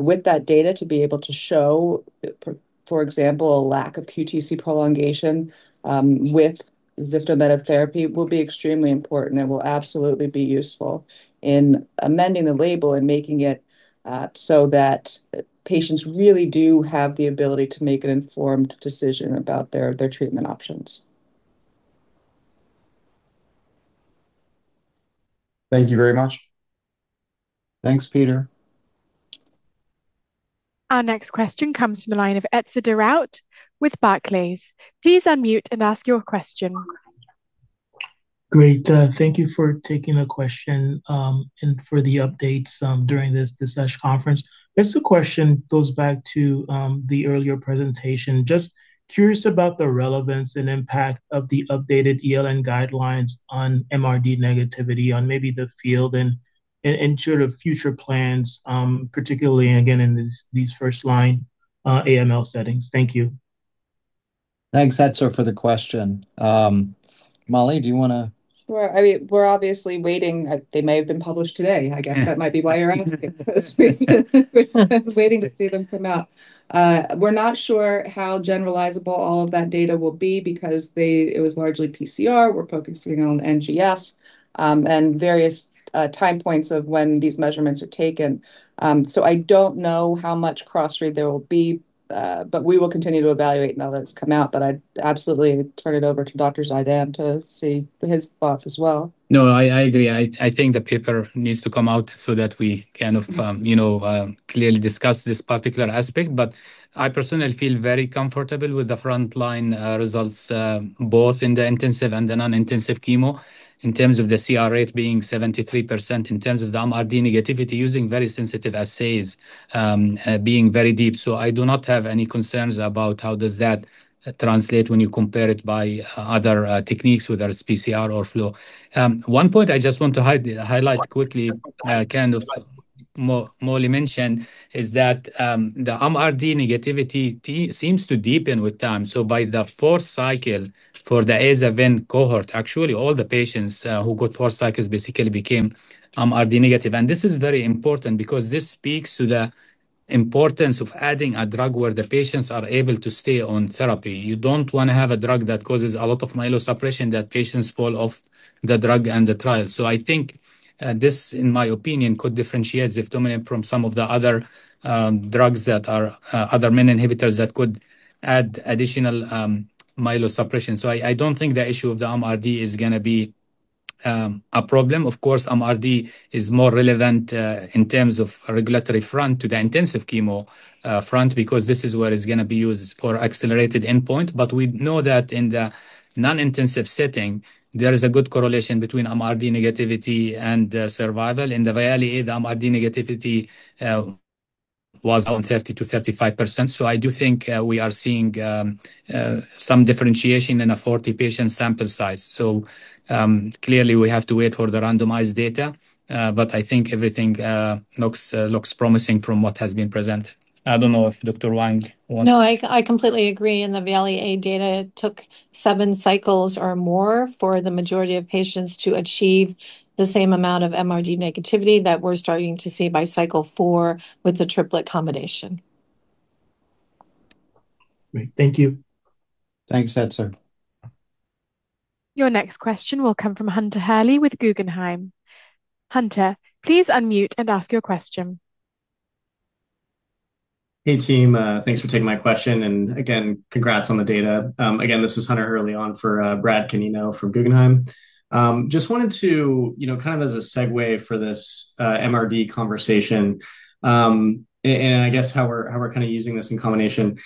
Speaker 5: with that data to be able to show, for example, a lack of QTc prolongation with ziftomenib therapy will be extremely important and will absolutely be useful in amending the label and making it so that patients really do have the ability to make an informed decision about their treatment options.
Speaker 9: Thank you very much.
Speaker 2: Thanks, Peter.
Speaker 1: Our next question comes from the line of Etzo with Barclays. Please unmute and ask your question. Great. Thank you for taking the question and for the updates during this conference. This question goes back to the earlier presentation. Just curious about the relevance and impact of the updated ELN guidelines on MRD negativity on maybe the field and sort of future plans, particularly, again, in these first-line AML settings. Thank you.
Speaker 2: Thanks, Etzo, for the question. Mollie, do you want to?
Speaker 5: Sure. I mean, we're obviously waiting. They may have been published today. I guess that might be why you're asking. We're waiting to see them come out. We're not sure how generalizable all of that data will be because it was largely PCR. We're focusing on NGS and various time points of when these measurements are taken. So I don't know how much cross-read there will be, but we will continue to evaluate now that it's come out. But I'd absolutely turn it over to Dr. Zeidan to see his thoughts as well.
Speaker 3: No, I agree. I think the paper needs to come out so that we kind of clearly discuss this particular aspect. But I personally feel very comfortable with the frontline results, both in the intensive and the non-intensive chemo, in terms of the CR rate being 73% in terms of the MRD negativity using very sensitive assays being very deep. So I do not have any concerns about how does that translate when you compare it by other techniques, whether it's PCR or flow. One point I just want to highlight quickly, kind of Mollie mentioned, is that the MRD negativity seems to deepen with time. So by the fourth cycle for the azacitidine cohort, actually, all the patients who got four cycles basically became MRD negative. And this is very important because this speaks to the importance of adding a drug where the patients are able to stay on therapy. You don't want to have a drug that causes a lot of myelosuppression that patients fall off the drug and the trial. So I think this, in my opinion, could differentiate ziftomenib from some of the other drugs that are other menin inhibitors that could add additional myelosuppression. So I don't think the issue of the MRD is going to be a problem. Of course, MRD is more relevant in terms of regulatory front to the intensive chemo front because this is where it's going to be used for accelerated endpoint. But we know that in the non-intensive setting, there is a good correlation between MRD negativity and survival. In the VIALE, the MRD negativity was around 30%-35%. I do think we are seeing some differentiation in a 40-patient sample size. Clearly, we have to wait for the randomized data, but I think everything looks promising from what has been presented. I don't know if Dr. Wang wants.
Speaker 4: No, I completely agree. In the VIALE-A, data took seven cycles or more for the majority of patients to achieve the same amount of MRD negativity that we're starting to see by cycle four with the triplet combination. Great. Thank you.
Speaker 2: Thanks, Etzo.
Speaker 1: Your next question will come from Hunter Hurley with Guggenheim. Hunter, please unmute and ask your question.
Speaker 10: Hey, team. Thanks for taking my question. And again, congrats on the data. Again, this is Hunter Hurley on for Brad Canino from Guggenheim. Just wanted to, kind of as a segue for this MRD conversation and I guess how we're kind of using this in combination,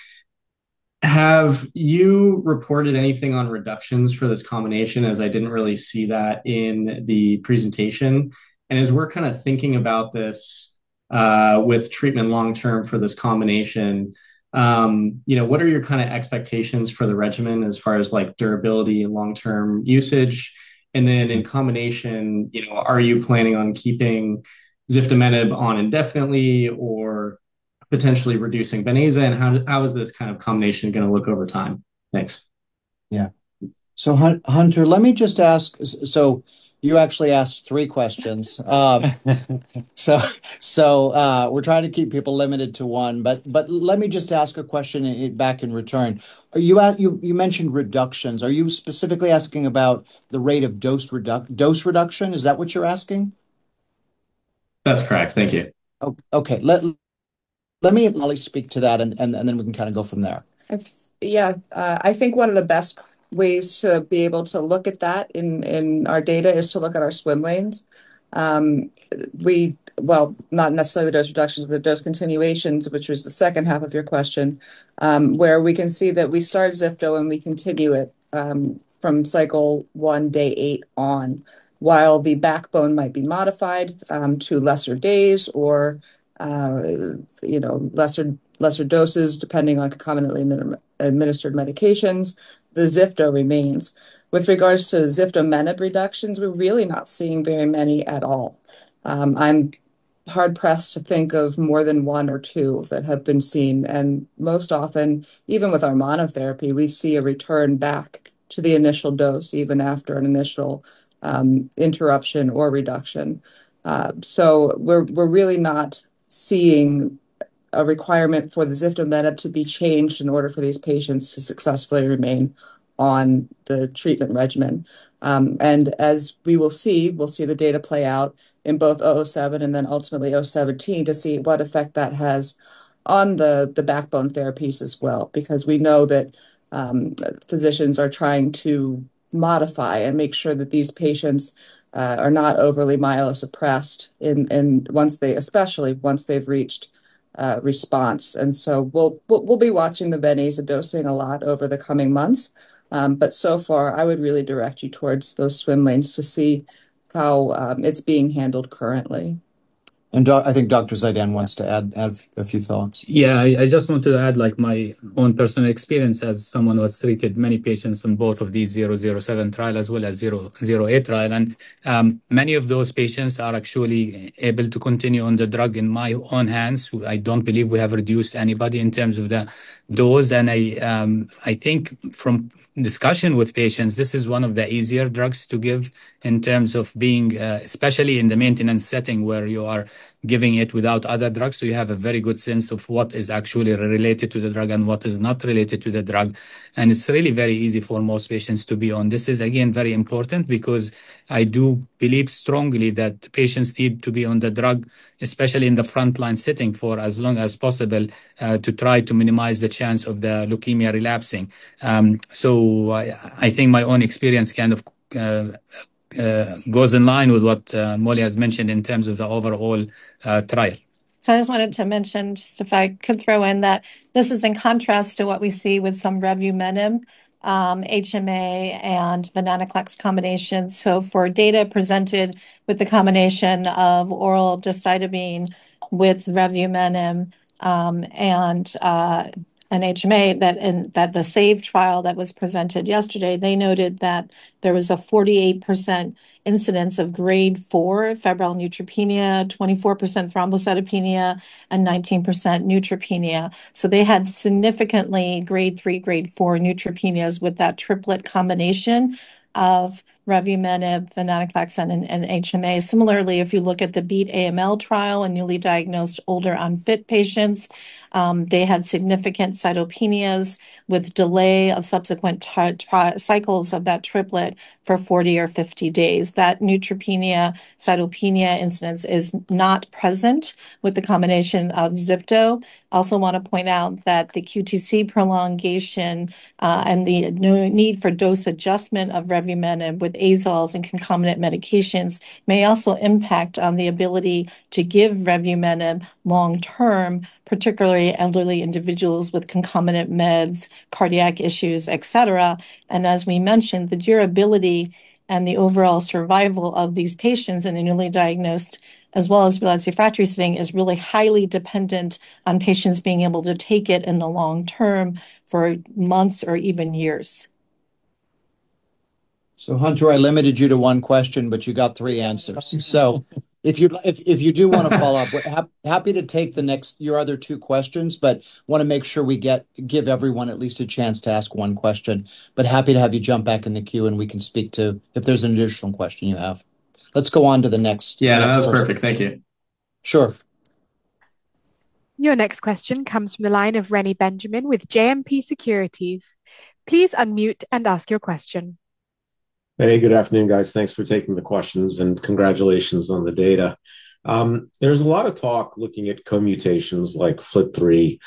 Speaker 10: have you reported anything on reductions for this combination, as I didn't really see that in the presentation? And as we're kind of thinking about this with treatment long-term for this combination, what are your kind of expectations for the regimen as far as durability and long-term usage? And then in combination, are you planning on keeping ziftomenib on indefinitely or potentially reducing Ven-Aza, and how is this kind of combination going to look over time? Thanks.
Speaker 2: Yeah. So Hunter, let me just ask so you actually asked three questions. So we're trying to keep people limited to one, but let me just ask a question back in return. You mentioned reductions. Are you specifically asking about the rate of dose reduction? Is that what you're asking?
Speaker 10: That's correct. Thank you.
Speaker 2: Okay. Let me at least speak to that, and then we can kind of go from there.
Speaker 5: Yeah. I think one of the best ways to be able to look at that in our data is to look at our swim lanes. Not necessarily the dose reductions, but the dose continuations, which was the second half of your question, where we can see that we start Zifto and we continue it from cycle one, day eight on. While the backbone might be modified to lesser days or lesser doses, depending on concomitantly administered medications, the Zifto remains. With regards to ziftomenib reductions, we're really not seeing very many at all. I'm hard-pressed to think of more than one or two that have been seen. And most often, even with our monotherapy, we see a return back to the initial dose even after an initial interruption or reduction. We're really not seeing a requirement for the ziftomenib to be changed in order for these patients to successfully remain on the treatment regimen. As we will see, we'll see the data play out in both 007 and then ultimately 017 to see what effect that has on the backbone therapies as well, because we know that physicians are trying to modify and make sure that these patients are not overly myelosuppressed especially once they've reached response. So we'll be watching the Ven-Aza dosing a lot over the coming months. So far, I would really direct you towards those swim lanes to see how it's being handled currently.
Speaker 2: I think Dr. Zeidan wants to add a few thoughts.
Speaker 3: Yeah, I just want to add my own personal experience as someone who has treated many patients in both of these 007 trial as well as 008 trial. And many of those patients are actually able to continue on the drug in my own hands. I don't believe we have reduced anybody in terms of the dose. And I think from discussion with patients, this is one of the easier drugs to give in terms of being, especially in the maintenance setting where you are giving it without other drugs. So you have a very good sense of what is actually related to the drug and what is not related to the drug. And it's really very easy for most patients to be on. This is, again, very important because I do believe strongly that patients need to be on the drug, especially in the frontline setting for as long as possible to try to minimize the chance of the leukemia relapsing, so I think my own experience kind of goes in line with what Mollie has mentioned in terms of the overall trial.
Speaker 5: So I just wanted to mention, just if I could throw in that this is in contrast to what we see with some revumenib, HMA, and venetoclax combination. So for data presented with the combination of oral decitabine with revumenib and an HMA, that the SAVE trial that was presented yesterday, they noted that there was a 48% incidence of grade 4 febrile neutropenia, 24% thrombocytopenia, and 19% neutropenia. So they had significantly grade 3, grade 4 neutropenias with that triplet combination of revumenib, venetoclax, and HMA. Similarly, if you look at the BEAT AML trial in newly diagnosed older unfit patients, they had significant cytopenias with delay of subsequent cycles of that triplet for 40 or 50 days. That neutropenia-cytopenia incidence is not present with the combination of Zifto. I also want to point out that the QTc prolongation and the need for dose adjustment of revumenib with azoles and concomitant medications may also impact on the ability to give revumenib long-term, particularly elderly individuals with concomitant meds, cardiac issues, etc. As we mentioned, the durability and the overall survival of these patients in a newly diagnosed as well as relapsed/refractory setting is really highly dependent on patients being able to take it in the long term for months or even years.
Speaker 2: So, Hunter, I limited you to one question, but you got three answers. So if you do want to follow up, happy to take your other two questions, but want to make sure we give everyone at least a chance to ask one question. But happy to have you jump back in the queue and we can speak to if there's an additional question you have. Let's go on to the next.
Speaker 10: Yeah, that's perfect. Thank you.
Speaker 2: Sure.
Speaker 1: Your next question comes from the line of Reni Benjamin with JMP Securities. Please unmute and ask your question.
Speaker 11: Hey, good afternoon, guys. Thanks for taking the questions and congratulations on the data. There's a lot of talk looking at co-mutations like FLT3.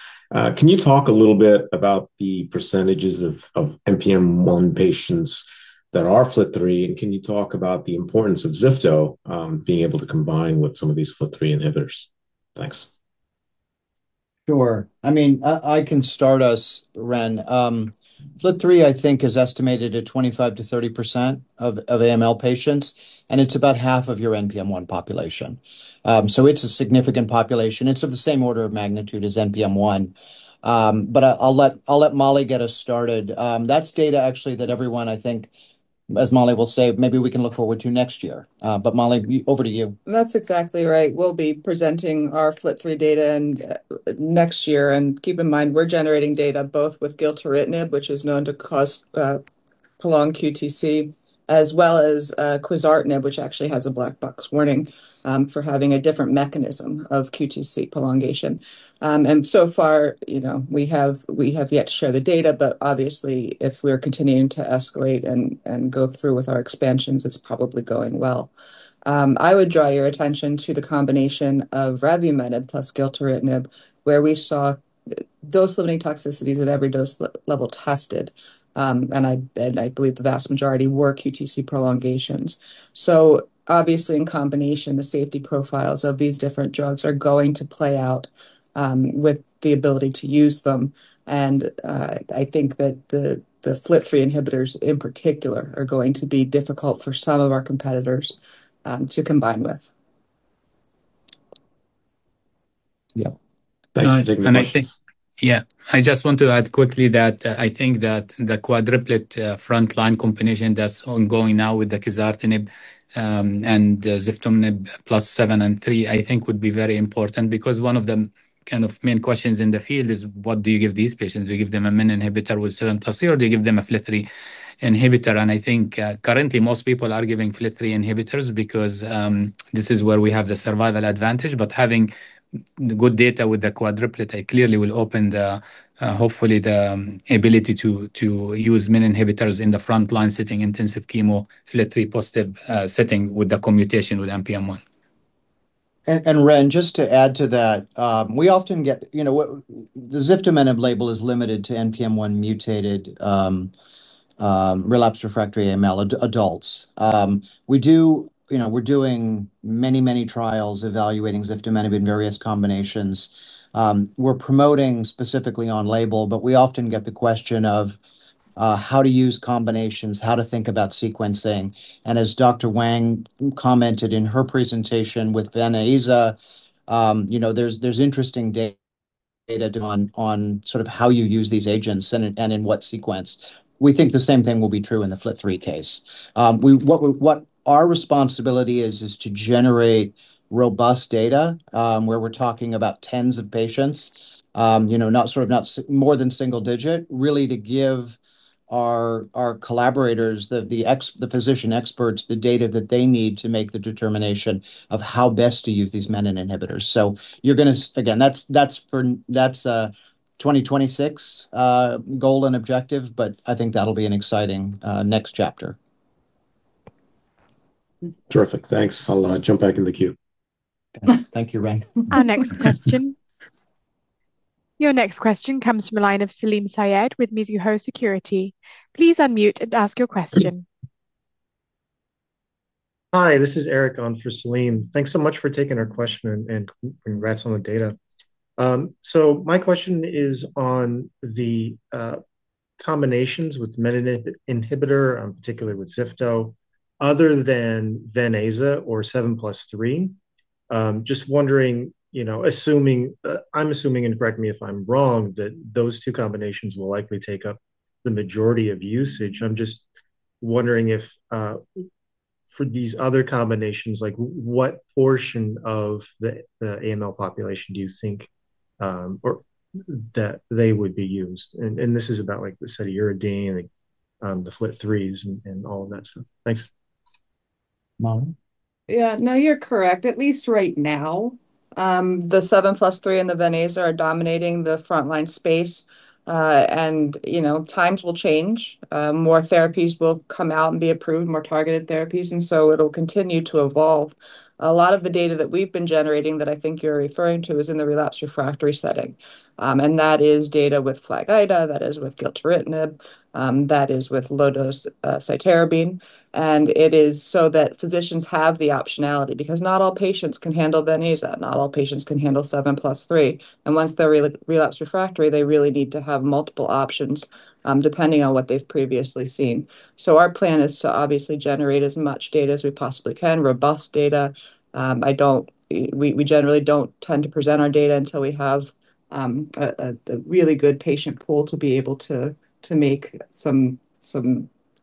Speaker 11: Can you talk a little bit about the percentages of NPM1 patients that are FLT3, and can you talk about the importance of Zifto being able to combine with some of these FLT3 inhibitors? Thanks.
Speaker 2: Sure. I mean, I can start us, Ren. FLT3, I think, is estimated at 25%-30% of AML patients, and it's about half of your NPM1 population. So it's a significant population. It's of the same order of magnitude as NPM1. But I'll let Mollie get us started. That's data actually that everyone, I think, as Mollie will say, maybe we can look forward to next year. But Mollie, over to you.
Speaker 5: That's exactly right. We'll be presenting our FLT3 data next year. And keep in mind, we're generating data both with gilteritinib, which is known to cause prolonged QTc, as well as quizartinib, which actually has a black box warning for having a different mechanism of QTc prolongation. And so far, we have yet to share the data, but obviously, if we're continuing to escalate and go through with our expansions, it's probably going well. I would draw your attention to the combination of revumenib plus gilteritinib, where we saw dose-limiting toxicities at every dose level tested, and I believe the vast majority were QTc prolongations. So obviously, in combination, the safety profiles of these different drugs are going to play out with the ability to use them. And I think that the FLT3 inhibitors in particular are going to be difficult for some of our competitors to combine with.
Speaker 2: Yeah. Thanks, Dr Zeidan.
Speaker 3: I think, yeah, I just want to add quickly that I think that the quadruplet frontline combination that's ongoing now with the quizartinib and ziftomenib plus seven and three I think would be very important because one of the kind of main questions in the field is, what do you give these patients? Do you give them a menin inhibitor with seven plus three, or do you give them a FLT3 inhibitor? And I think currently most people are giving FLT3 inhibitors because this is where we have the survival advantage. But having good data with the quadruplet, I clearly will open hopefully the ability to use menin inhibitors in the frontline setting intensive chemo FLT3-positive setting with the combination with NPM1.
Speaker 2: Reni, just to add to that, we often get the ziftomenib label is limited to NPM1-mutated relapse-refractory AML adults. We're doing many, many trials evaluating ziftomenib in various combinations. We're promoting specifically on label, but we often get the question of how to use combinations, how to think about sequencing. And as Dr. Wang commented in her presentation with Ven-Aza, there's interesting data on sort of how you use these agents and in what sequence. We think the same thing will be true in the FLT3 case. What our responsibility is, is to generate robust data where we're talking about tens of patients, not sort of more than single-digit, really to give our collaborators, the physician experts, the data that they need to make the determination of how best to use these menin inhibitors. So you're going to, again, that's a 2026 goal and objective, but I think that'll be an exciting next chapter.
Speaker 11: Terrific. Thanks. I'll jump back in the queue.
Speaker 2: Thank you, Reni.
Speaker 1: Our next question. Your next question comes from a line of Salim Syed with Mizuho Securities. Please unmute and ask your question. Hi, this is Eric on for Salim. Thanks so much for taking our question and congrats on the data. So my question is on the combinations with menin inhibitor, particularly with Zifto, other than Ven-Aza or 7+3. Just wondering, assuming, I'm assuming, and correct me if I'm wrong, that those two combinations will likely take up the majority of usage. I'm just wondering if for these other combinations, what portion of the AML population do you think that they would be used? And this is about the decitabine, the FLT3s, and all of that stuff. Thanks.
Speaker 2: Mollie?
Speaker 5: Yeah, no, you're correct. At least right now, the seven plus three and the Ven-Aza are dominating the frontline space. And times will change. More therapies will come out and be approved, more targeted therapies, and so it'll continue to evolve. A lot of the data that we've been generating that I think you're referring to is in the relapsed/refractory setting. And that is data with FLAG-IDA, that is with gilteritinib, that is with low-dose cytarabine. And it is so that physicians have the optionality because not all patients can handle Ven-Aza, not all patients can handle seven plus three. And once they're relapsed/refractory, they really need to have multiple options depending on what they've previously seen. So our plan is to obviously generate as much data as we possibly can, robust data. We generally don't tend to present our data until we have a really good patient pool to be able to make some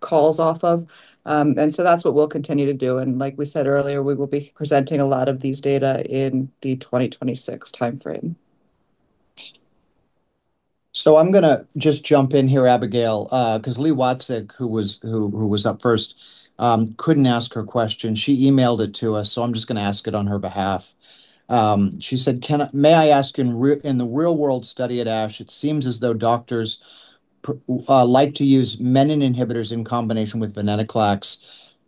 Speaker 5: calls off of, and so that's what we'll continue to do, and like we said earlier, we will be presenting a lot of these data in the 2026 timeframe.
Speaker 3: So I'm going to just jump in here, Abigail, because Li Watsek, who was up first, couldn't ask her question. She emailed it to us, so I'm just going to ask it on her behalf. She said, "May I ask, in the real-world study at ASH, it seems as though doctors like to use menin inhibitors in combination with venetoclax.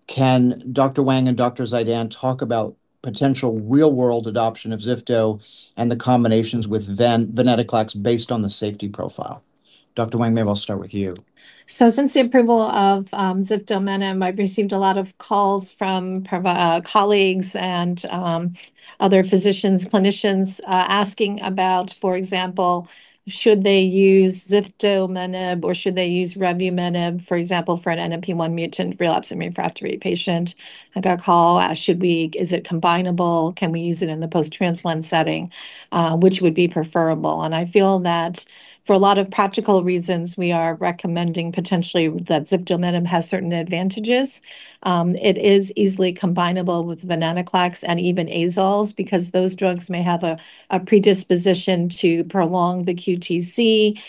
Speaker 3: Can Dr. Wang and Dr. Zeidan talk about potential real-world adoption of Zifto and the combinations with venetoclax based on the safety profile?" Dr. Wang, maybe I'll start with you.
Speaker 4: Since the approval of ziftomenib, I've received a lot of calls from colleagues and other physicians, clinicians asking about, for example, should they use ziftomenib or should they use revumenib, for example, for an NPM1-mutated relapse and refractory patient? I got a call, "Should we, is it combinable? Can we use it in the post-transplant setting? Which would be preferable?" I feel that for a lot of practical reasons, we are recommending potentially that ziftomenib has certain advantages. It is easily combinable with venetoclax and even azoles because those drugs may have a predisposition to prolong the QTc.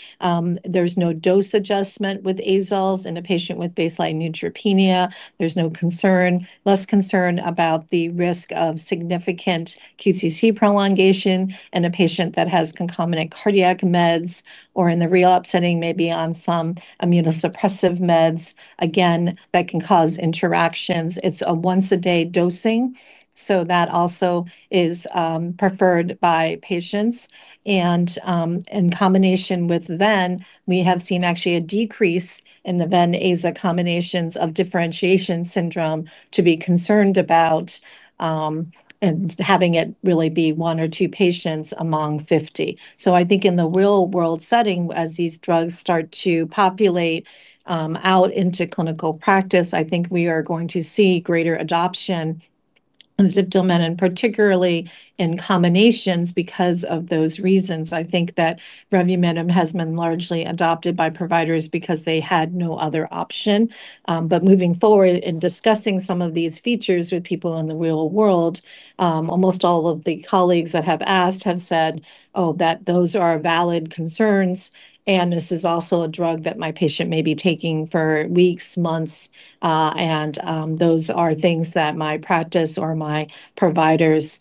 Speaker 4: There's no dose adjustment with azoles in a patient with baseline neutropenia. There's no concern, less concern about the risk of significant QTc prolongation in a patient that has concomitant cardiac meds or in the relapse setting, maybe on some immunosuppressive meds. Again, that can cause interactions. It's a once-a-day dosing, so that also is preferred by patients. In combination with Ven, we have seen actually a decrease in the Ven-Aza combinations of differentiation syndrome to be concerned about and having it really be one or two patients among 50. So I think in the real-world setting, as these drugs start to populate out into clinical practice, I think we are going to see greater adoption of ziftomenib, particularly in combinations because of those reasons. I think that revumenib has been largely adopted by providers because they had no other option. Moving forward in discussing some of these features with people in the real world, almost all of the colleagues that have asked have said, "Oh, those are valid concerns. And this is also a drug that my patient may be taking for weeks, months. And those are things that my practice or my providers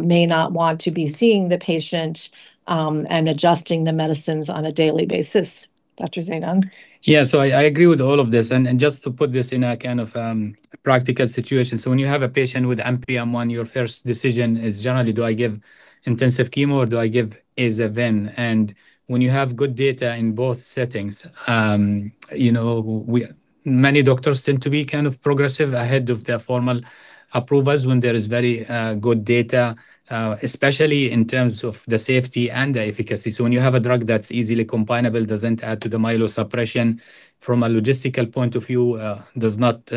Speaker 4: may not want to be seeing the patient and adjusting the medicines on a daily basis." Dr. Zeidan?
Speaker 3: Yeah, so I agree with all of this. And just to put this in a kind of practical situation, so when you have a patient with NPM1, your first decision is generally, do I give intensive chemo or do I give Aza-Ven? And when you have good data in both settings, many doctors tend to be kind of progressive ahead of their formal approvals when there is very good data, especially in terms of the safety and the efficacy. So when you have a drug that's easily combinable, doesn't add to the myelosuppression from a logistical point of view, does not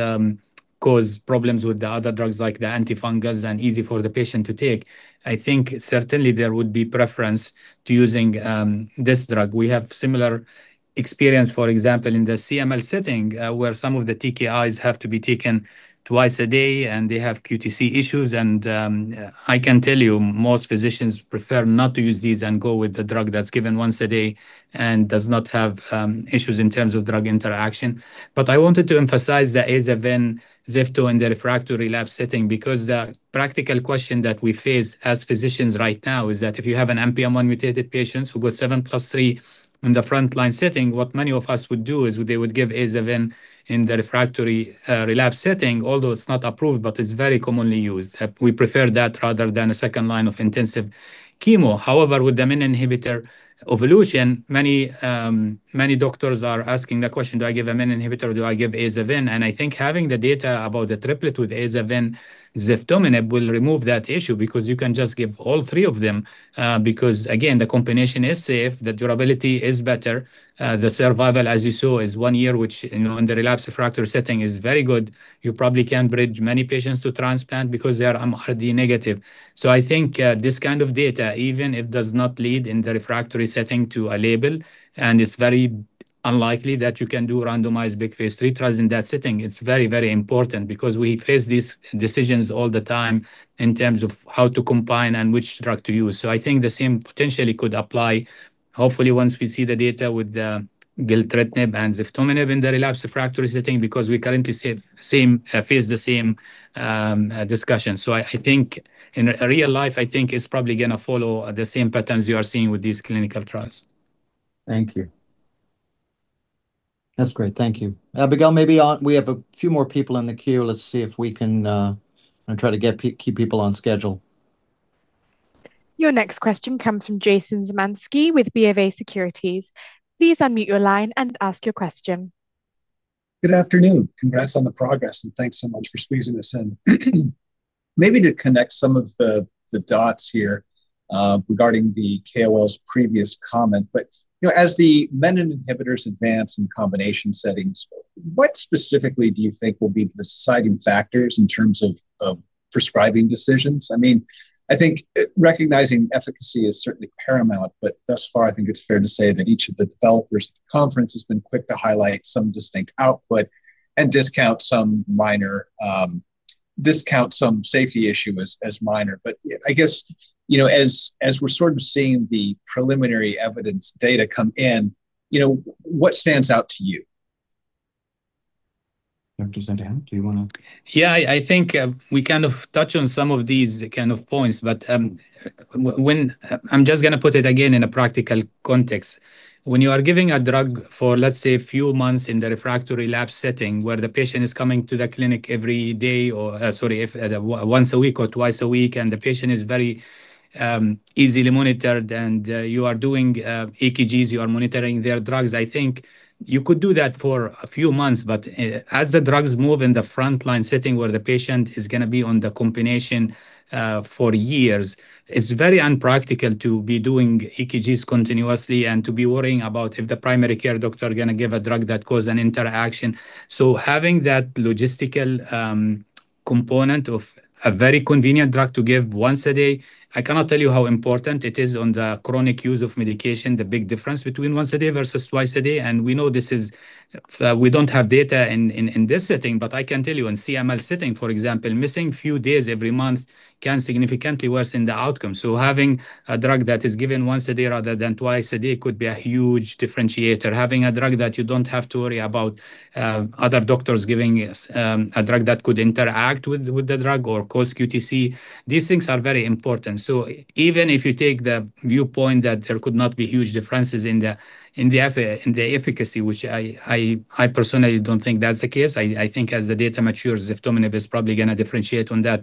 Speaker 3: cause problems with the other drugs like the antifungals and easy for the patient to take, I think certainly there would be preference to using this drug. We have similar experience, for example, in the CML setting where some of the TKIs have to be taken twice a day and they have QTc issues. And I can tell you most physicians prefer not to use these and go with the drug that's given once a day and does not have issues in terms of drug interaction. But I wanted to emphasize the azacitidine, Zifto, and the refractory relapsed setting because the practical question that we face as physicians right now is that if you have an NPM1 mutated patient who got seven plus three in the frontline setting, what many of us would do is they would give azacitidine in the refractory relapse setting, although it's not approved, but it's very commonly used. We prefer that rather than a second line of intensive chemo. However, with the menin inhibitor evolution, many doctors are asking the question, "Do I give a menin inhibitor or do I give aza-ven?" And I think having the data about the triplet with aza-ven, ziftomenib will remove that issue because you can just give all three of them because, again, the combination is safe, the durability is better. The survival, as you saw, is one year, which in the relapsed/refractory setting is very good. You probably can bridge many patients to transplant because they are MRD negative. So I think this kind of data, even if it does not lead in the refractory setting to a label, and it's very unlikely that you can do randomized big phase 3 trials in that setting, it's very, very important because we face these decisions all the time in terms of how to combine and which drug to use. So I think the same potentially could apply, hopefully, once we see the data with the gilteritinib and ziftomenib in the relapsed/refractory setting because we currently face the same discussion. So I think in real life, I think it's probably going to follow the same patterns you are seeing with these clinical trials. Thank you.
Speaker 2: That's great. Thank you. Abigail, maybe we have a few more people in the queue. Let's see if we can try to keep people on schedule.
Speaker 1: Your next question comes from Jason Zemansky with BofA Securities. Please unmute your line and ask your question.
Speaker 12: Good afternoon. Congrats on the progress, and thanks so much for squeezing us in. Maybe to connect some of the dots here regarding the KOL's previous comment, but as the menin inhibitors advance in combination settings, what specifically do you think will be the deciding factors in terms of prescribing decisions? I mean, I think recognizing efficacy is certainly paramount, but thus far, I think it's fair to say that each of the developers at the conference has been quick to highlight some distinct output and discount some safety issue as minor. But I guess as we're sort of seeing the preliminary evidence data come in, what stands out to you?
Speaker 2: Dr. Zeidan, do you want to?
Speaker 3: Yeah, I think we kind of touch on some of these kind of points, but I'm just going to put it again in a practical context. When you are giving a drug for, let's say, a few months in the refractory AML setting where the patient is coming to the clinic every day or, sorry, once a week or twice a week, and the patient is very easily monitored and you are doing EKGs, you are monitoring their drugs, I think you could do that for a few months. But as the drugs move in the frontline setting where the patient is going to be on the combination for years, it's very impractical to be doing EKGs continuously and to be worrying about if the primary care doctor is going to give a drug that causes an interaction. So having that logistical component of a very convenient drug to give once a day, I cannot tell you how important it is on the chronic use of medication, the big difference between once a day versus twice a day. And we know this, we don't have data in this setting, but I can tell you in CML setting, for example, missing a few days every month can significantly worsen the outcome. So having a drug that is given once a day rather than twice a day could be a huge differentiator. Having a drug that you don't have to worry about other doctors giving a drug that could interact with the drug or cause QTc, these things are very important. So even if you take the viewpoint that there could not be huge differences in the efficacy, which I personally don't think that's the case, I think as the data matures, ziftomenib is probably going to differentiate on that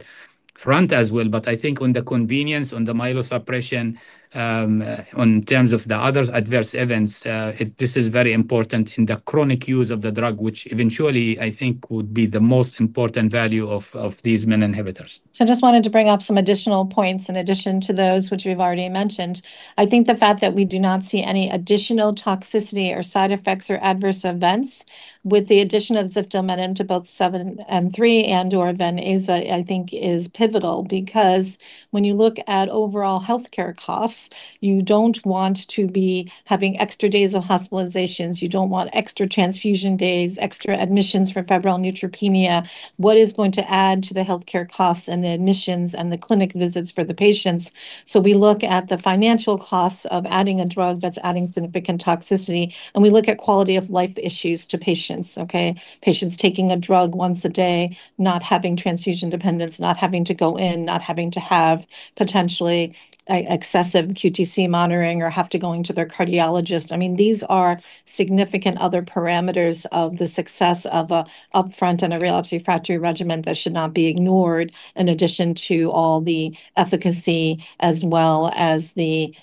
Speaker 3: front as well. But I think on the convenience, on the myelosuppression, in terms of the other adverse events, this is very important in the chronic use of the drug, which eventually, I think, would be the most important value of these menin inhibitors.
Speaker 4: So I just wanted to bring up some additional points in addition to those, which we've already mentioned. I think the fact that we do not see any additional toxicity or side effects or adverse events with the addition of ziftomenib to both seven and three and/or Ven-Aza, I think, is pivotal because when you look at overall healthcare costs, you don't want to be having extra days of hospitalizations. You don't want extra transfusion days, extra admissions for febrile neutropenia. What is going to add to the healthcare costs and the admissions and the clinic visits for the patients? So we look at the financial costs of adding a drug that's adding significant toxicity, and we look at quality of life issues to patients, okay? Patients taking a drug once a day, not having transfusion dependence, not having to go in, not having to have potentially excessive QTc monitoring or have to go into their cardiologist. I mean, these are significant other parameters of the success of an upfront and a relapse refractory regimen that should not be ignored in addition to all the efficacy as well as the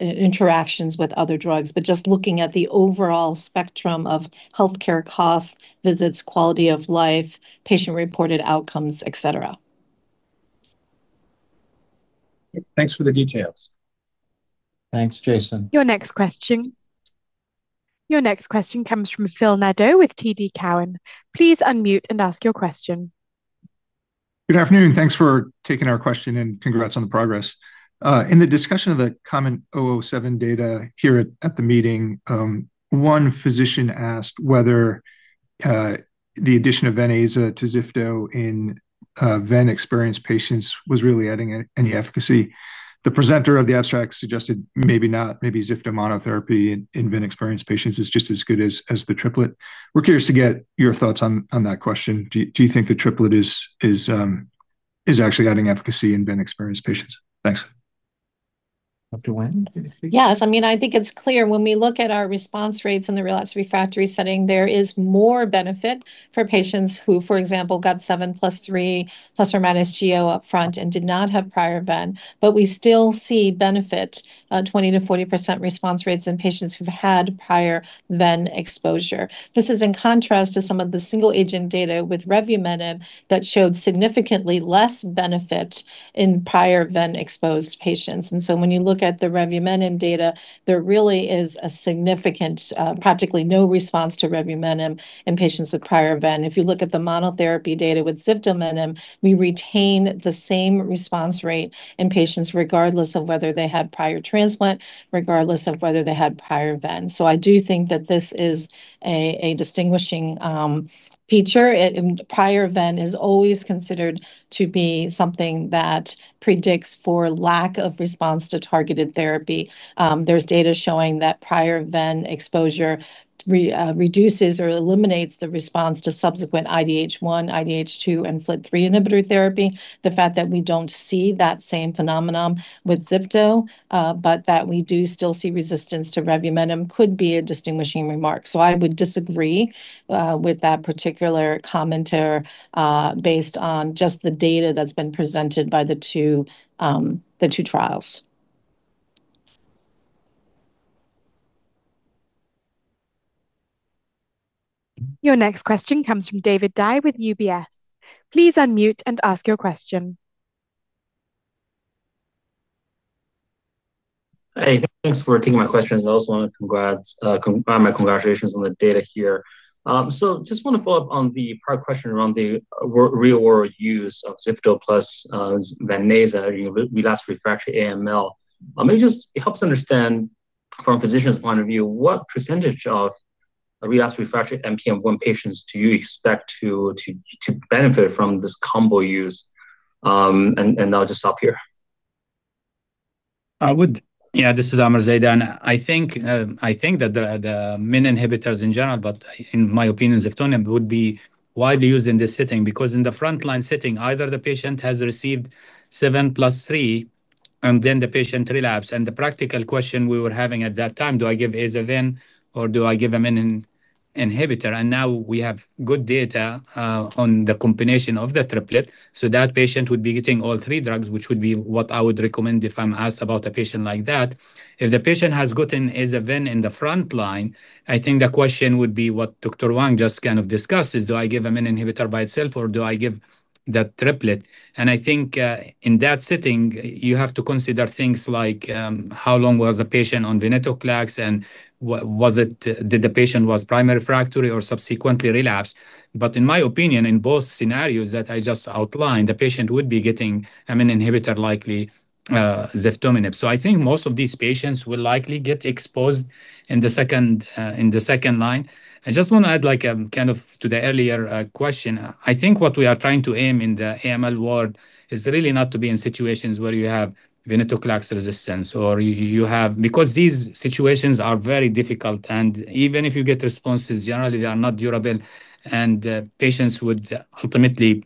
Speaker 4: interactions with other drugs. But just looking at the overall spectrum of healthcare costs, visits, quality of life, patient-reported outcomes, etc.
Speaker 12: Thanks for the details.
Speaker 2: Thanks, Jason.
Speaker 1: Your next question. Your next question comes from Phil Nadeau with TD Cowen. Please unmute and ask your question.
Speaker 13: Good afternoon. Thanks for taking our question and congrats on the progress. In the discussion of the COMET-007 data here at the meeting, one physician asked whether the addition of ven-azo to Zifto in ven-experienced patients was really adding any efficacy. The presenter of the abstract suggested maybe not. Maybe Zifto monotherapy in ven-experienced patients is just as good as the triplet. We're curious to get your thoughts on that question. Do you think the triplet is actually adding efficacy in ven-experienced patients? Thanks.
Speaker 2: Dr. Wang?
Speaker 4: Yes. I mean, I think it's clear. When we look at our response rates in the relapse refractory setting, there is more benefit for patients who, for example, got seven plus three plus or minus GO upfront and did not have prior Ven, but we still see benefit, 20%-40% response rates in patients who've had prior Ven exposure. This is in contrast to some of the single-agent data with revumenib that showed significantly less benefit in prior Ven-exposed patients. And so when you look at the revumenib data, there really is a significant, practically no response to revumenib in patients with prior Ven. If you look at the monotherapy data with ziftomenib, we retain the same response rate in patients regardless of whether they had prior transplant, regardless of whether they had prior Ven. So I do think that this is a distinguishing feature. Prior Ven is always considered to be something that predicts for lack of response to targeted therapy. There's data showing that prior Ven exposure reduces or eliminates the response to subsequent IDH1, IDH2, and FLT3 inhibitor therapy. The fact that we don't see that same phenomenon with Zifto, but that we do still see resistance to revumenib could be a distinguishing remark. So I would disagree with that particular commentary based on just the data that's been presented by the two trials.
Speaker 1: Your next question comes from David Dai with UBS. Please unmute and ask your question.
Speaker 14: Hey, thanks for taking my questions. I also want to congratulate you on the data here, so just want to follow up on the prior question around the real-world use of Zifto plus ven + azo relapse refractory AML. Maybe it helps to understand from a physician's point of view what percentage of relapse refractory NPM1 patients do you expect to benefit from this combo use? And I'll just stop here.
Speaker 3: Yeah, this is Amer Zeidan. I think that the menin inhibitors in general, but in my opinion, ziftomenib would be widely used in this setting because in the frontline setting, either the patient has received 7+3 and then the patient relapsed. And the practical question we were having at that time, do I give azacitidine-venetoclax or do I give a menin inhibitor? And now we have good data on the combination of the triplet. So that patient would be getting all three drugs, which would be what I would recommend if I'm asked about a patient like that. If the patient has gotten azacitidine-venetoclax in the frontline, I think the question would be what Dr. Wang just kind of discussed is, do I give a menin inhibitor by itself or do I give the triplet? I think in that setting, you have to consider things like how long was the patient on venetoclax and did the patient primarily refractory or subsequently relapse. In my opinion, in both scenarios that I just outlined, the patient would be getting a menin inhibitor, likely ziftomenib. I think most of these patients will likely get exposed in the second line. I just want to add like a kind of to the earlier question. I think what we are trying to aim in the AML world is really not to be in situations where you have venetoclax resistance or you have because these situations are very difficult. Even if you get responses, generally, they are not durable, and patients would ultimately,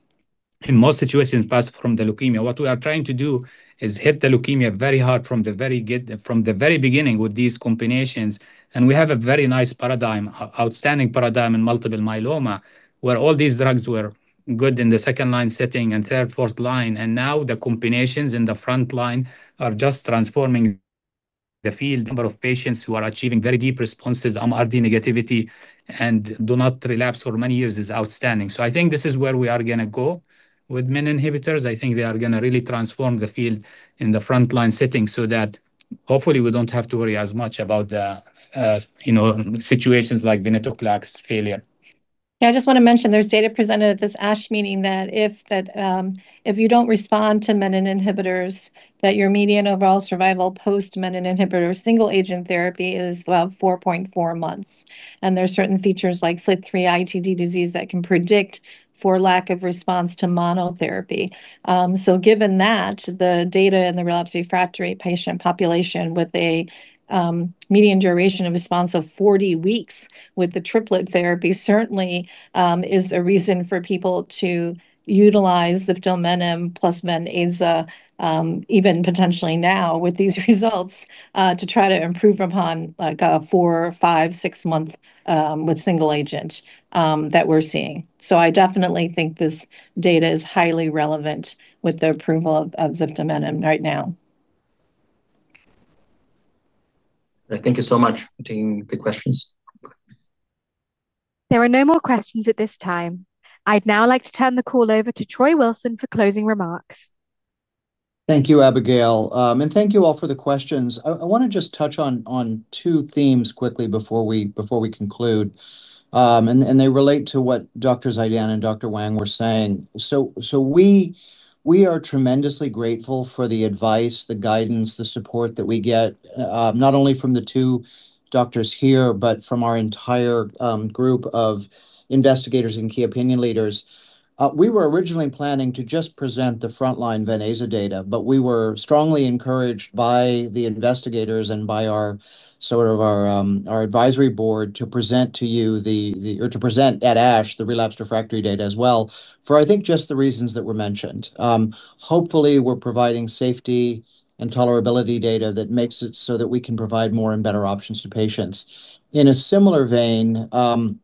Speaker 3: in most situations, pass from the leukemia. What we are trying to do is hit the leukemia very hard from the very beginning with these combinations. And we have a very nice paradigm, outstanding paradigm in multiple myeloma where all these drugs were good in the second line setting and third, fourth line. And now the combinations in the frontline are just transforming the field. Number of patients who are achieving very deep responses, MRD negativity, and do not relapse for many years is outstanding. So I think this is where we are going to go with menin inhibitors. I think they are going to really transform the field in the frontline setting so that hopefully we don't have to worry as much about situations like venetoclax failure.
Speaker 4: Yeah, I just want to mention there's data presented at this ASH meeting that if you don't respond to menin inhibitors, that your median overall survival post-menin inhibitor single-agent therapy is about 4.4 months. And there are certain features like FLT3-ITD disease that can predict for lack of response to monotherapy. So given that, the data and the relapse refractory patient population with a median duration of response of 40 weeks with the triplet therapy certainly is a reason for people to utilize ziftomenib plus ven-azo even potentially now with these results to try to improve upon like a four, five, six month with single agent that we're seeing. So I definitely think this data is highly relevant with the approval of ziftomenib right now.
Speaker 14: Thank you so much for taking the questions.
Speaker 1: There are no more questions at this time. I'd now like to turn the call over to Troy Wilson for closing remarks.
Speaker 2: Thank you, Abigail, and thank you all for the questions. I want to just touch on two themes quickly before we conclude, and they relate to what Dr. Zeidan and Dr. Wang were saying, so we are tremendously grateful for the advice, the guidance, the support that we get not only from the two doctors here, but from our entire group of investigators and key opinion leaders. We were originally planning to just present the frontline Ven azo data, but we were strongly encouraged by the investigators and by our sort of advisory board to present at ASH the relapse refractory data as well for, I think, just the reasons that were mentioned. Hopefully, we're providing safety and tolerability data that makes it so that we can provide more and better options to patients. In a similar vein, and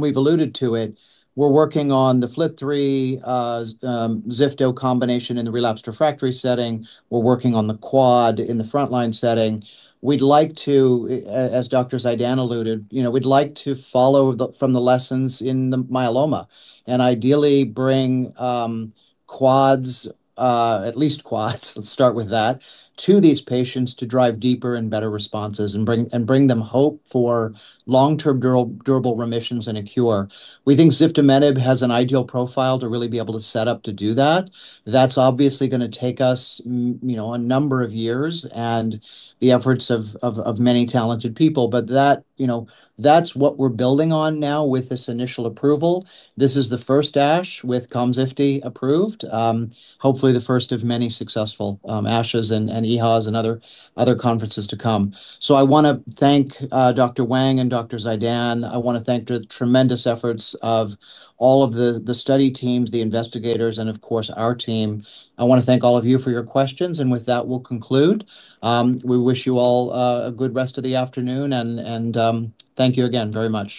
Speaker 2: we've alluded to it, we're working on the FLT3 Zifto combination in the relapse refractory setting. We're working on the quad in the frontline setting. We'd like to, as Dr. Zeidan alluded, we'd like to follow from the lessons in the myeloma and ideally bring quads, at least quads, let's start with that, to these patients to drive deeper and better responses and bring them hope for long-term durable remissions and a cure. We think ziftomenib has an ideal profile to really be able to set up to do that. That's obviously going to take us a number of years and the efforts of many talented people. But that's what we're building on now with this initial approval. This is the first ASH with Komzifti approved, hopefully the first of many successful ASH's and EHA's and other conferences to come. I want to thank Dr. Wang and Dr. Zeidan. I want to thank the tremendous efforts of all of the study teams, the investigators, and of course, our team. I want to thank all of you for your questions. And with that, we'll conclude. We wish you all a good rest of the afternoon. And thank you again very much.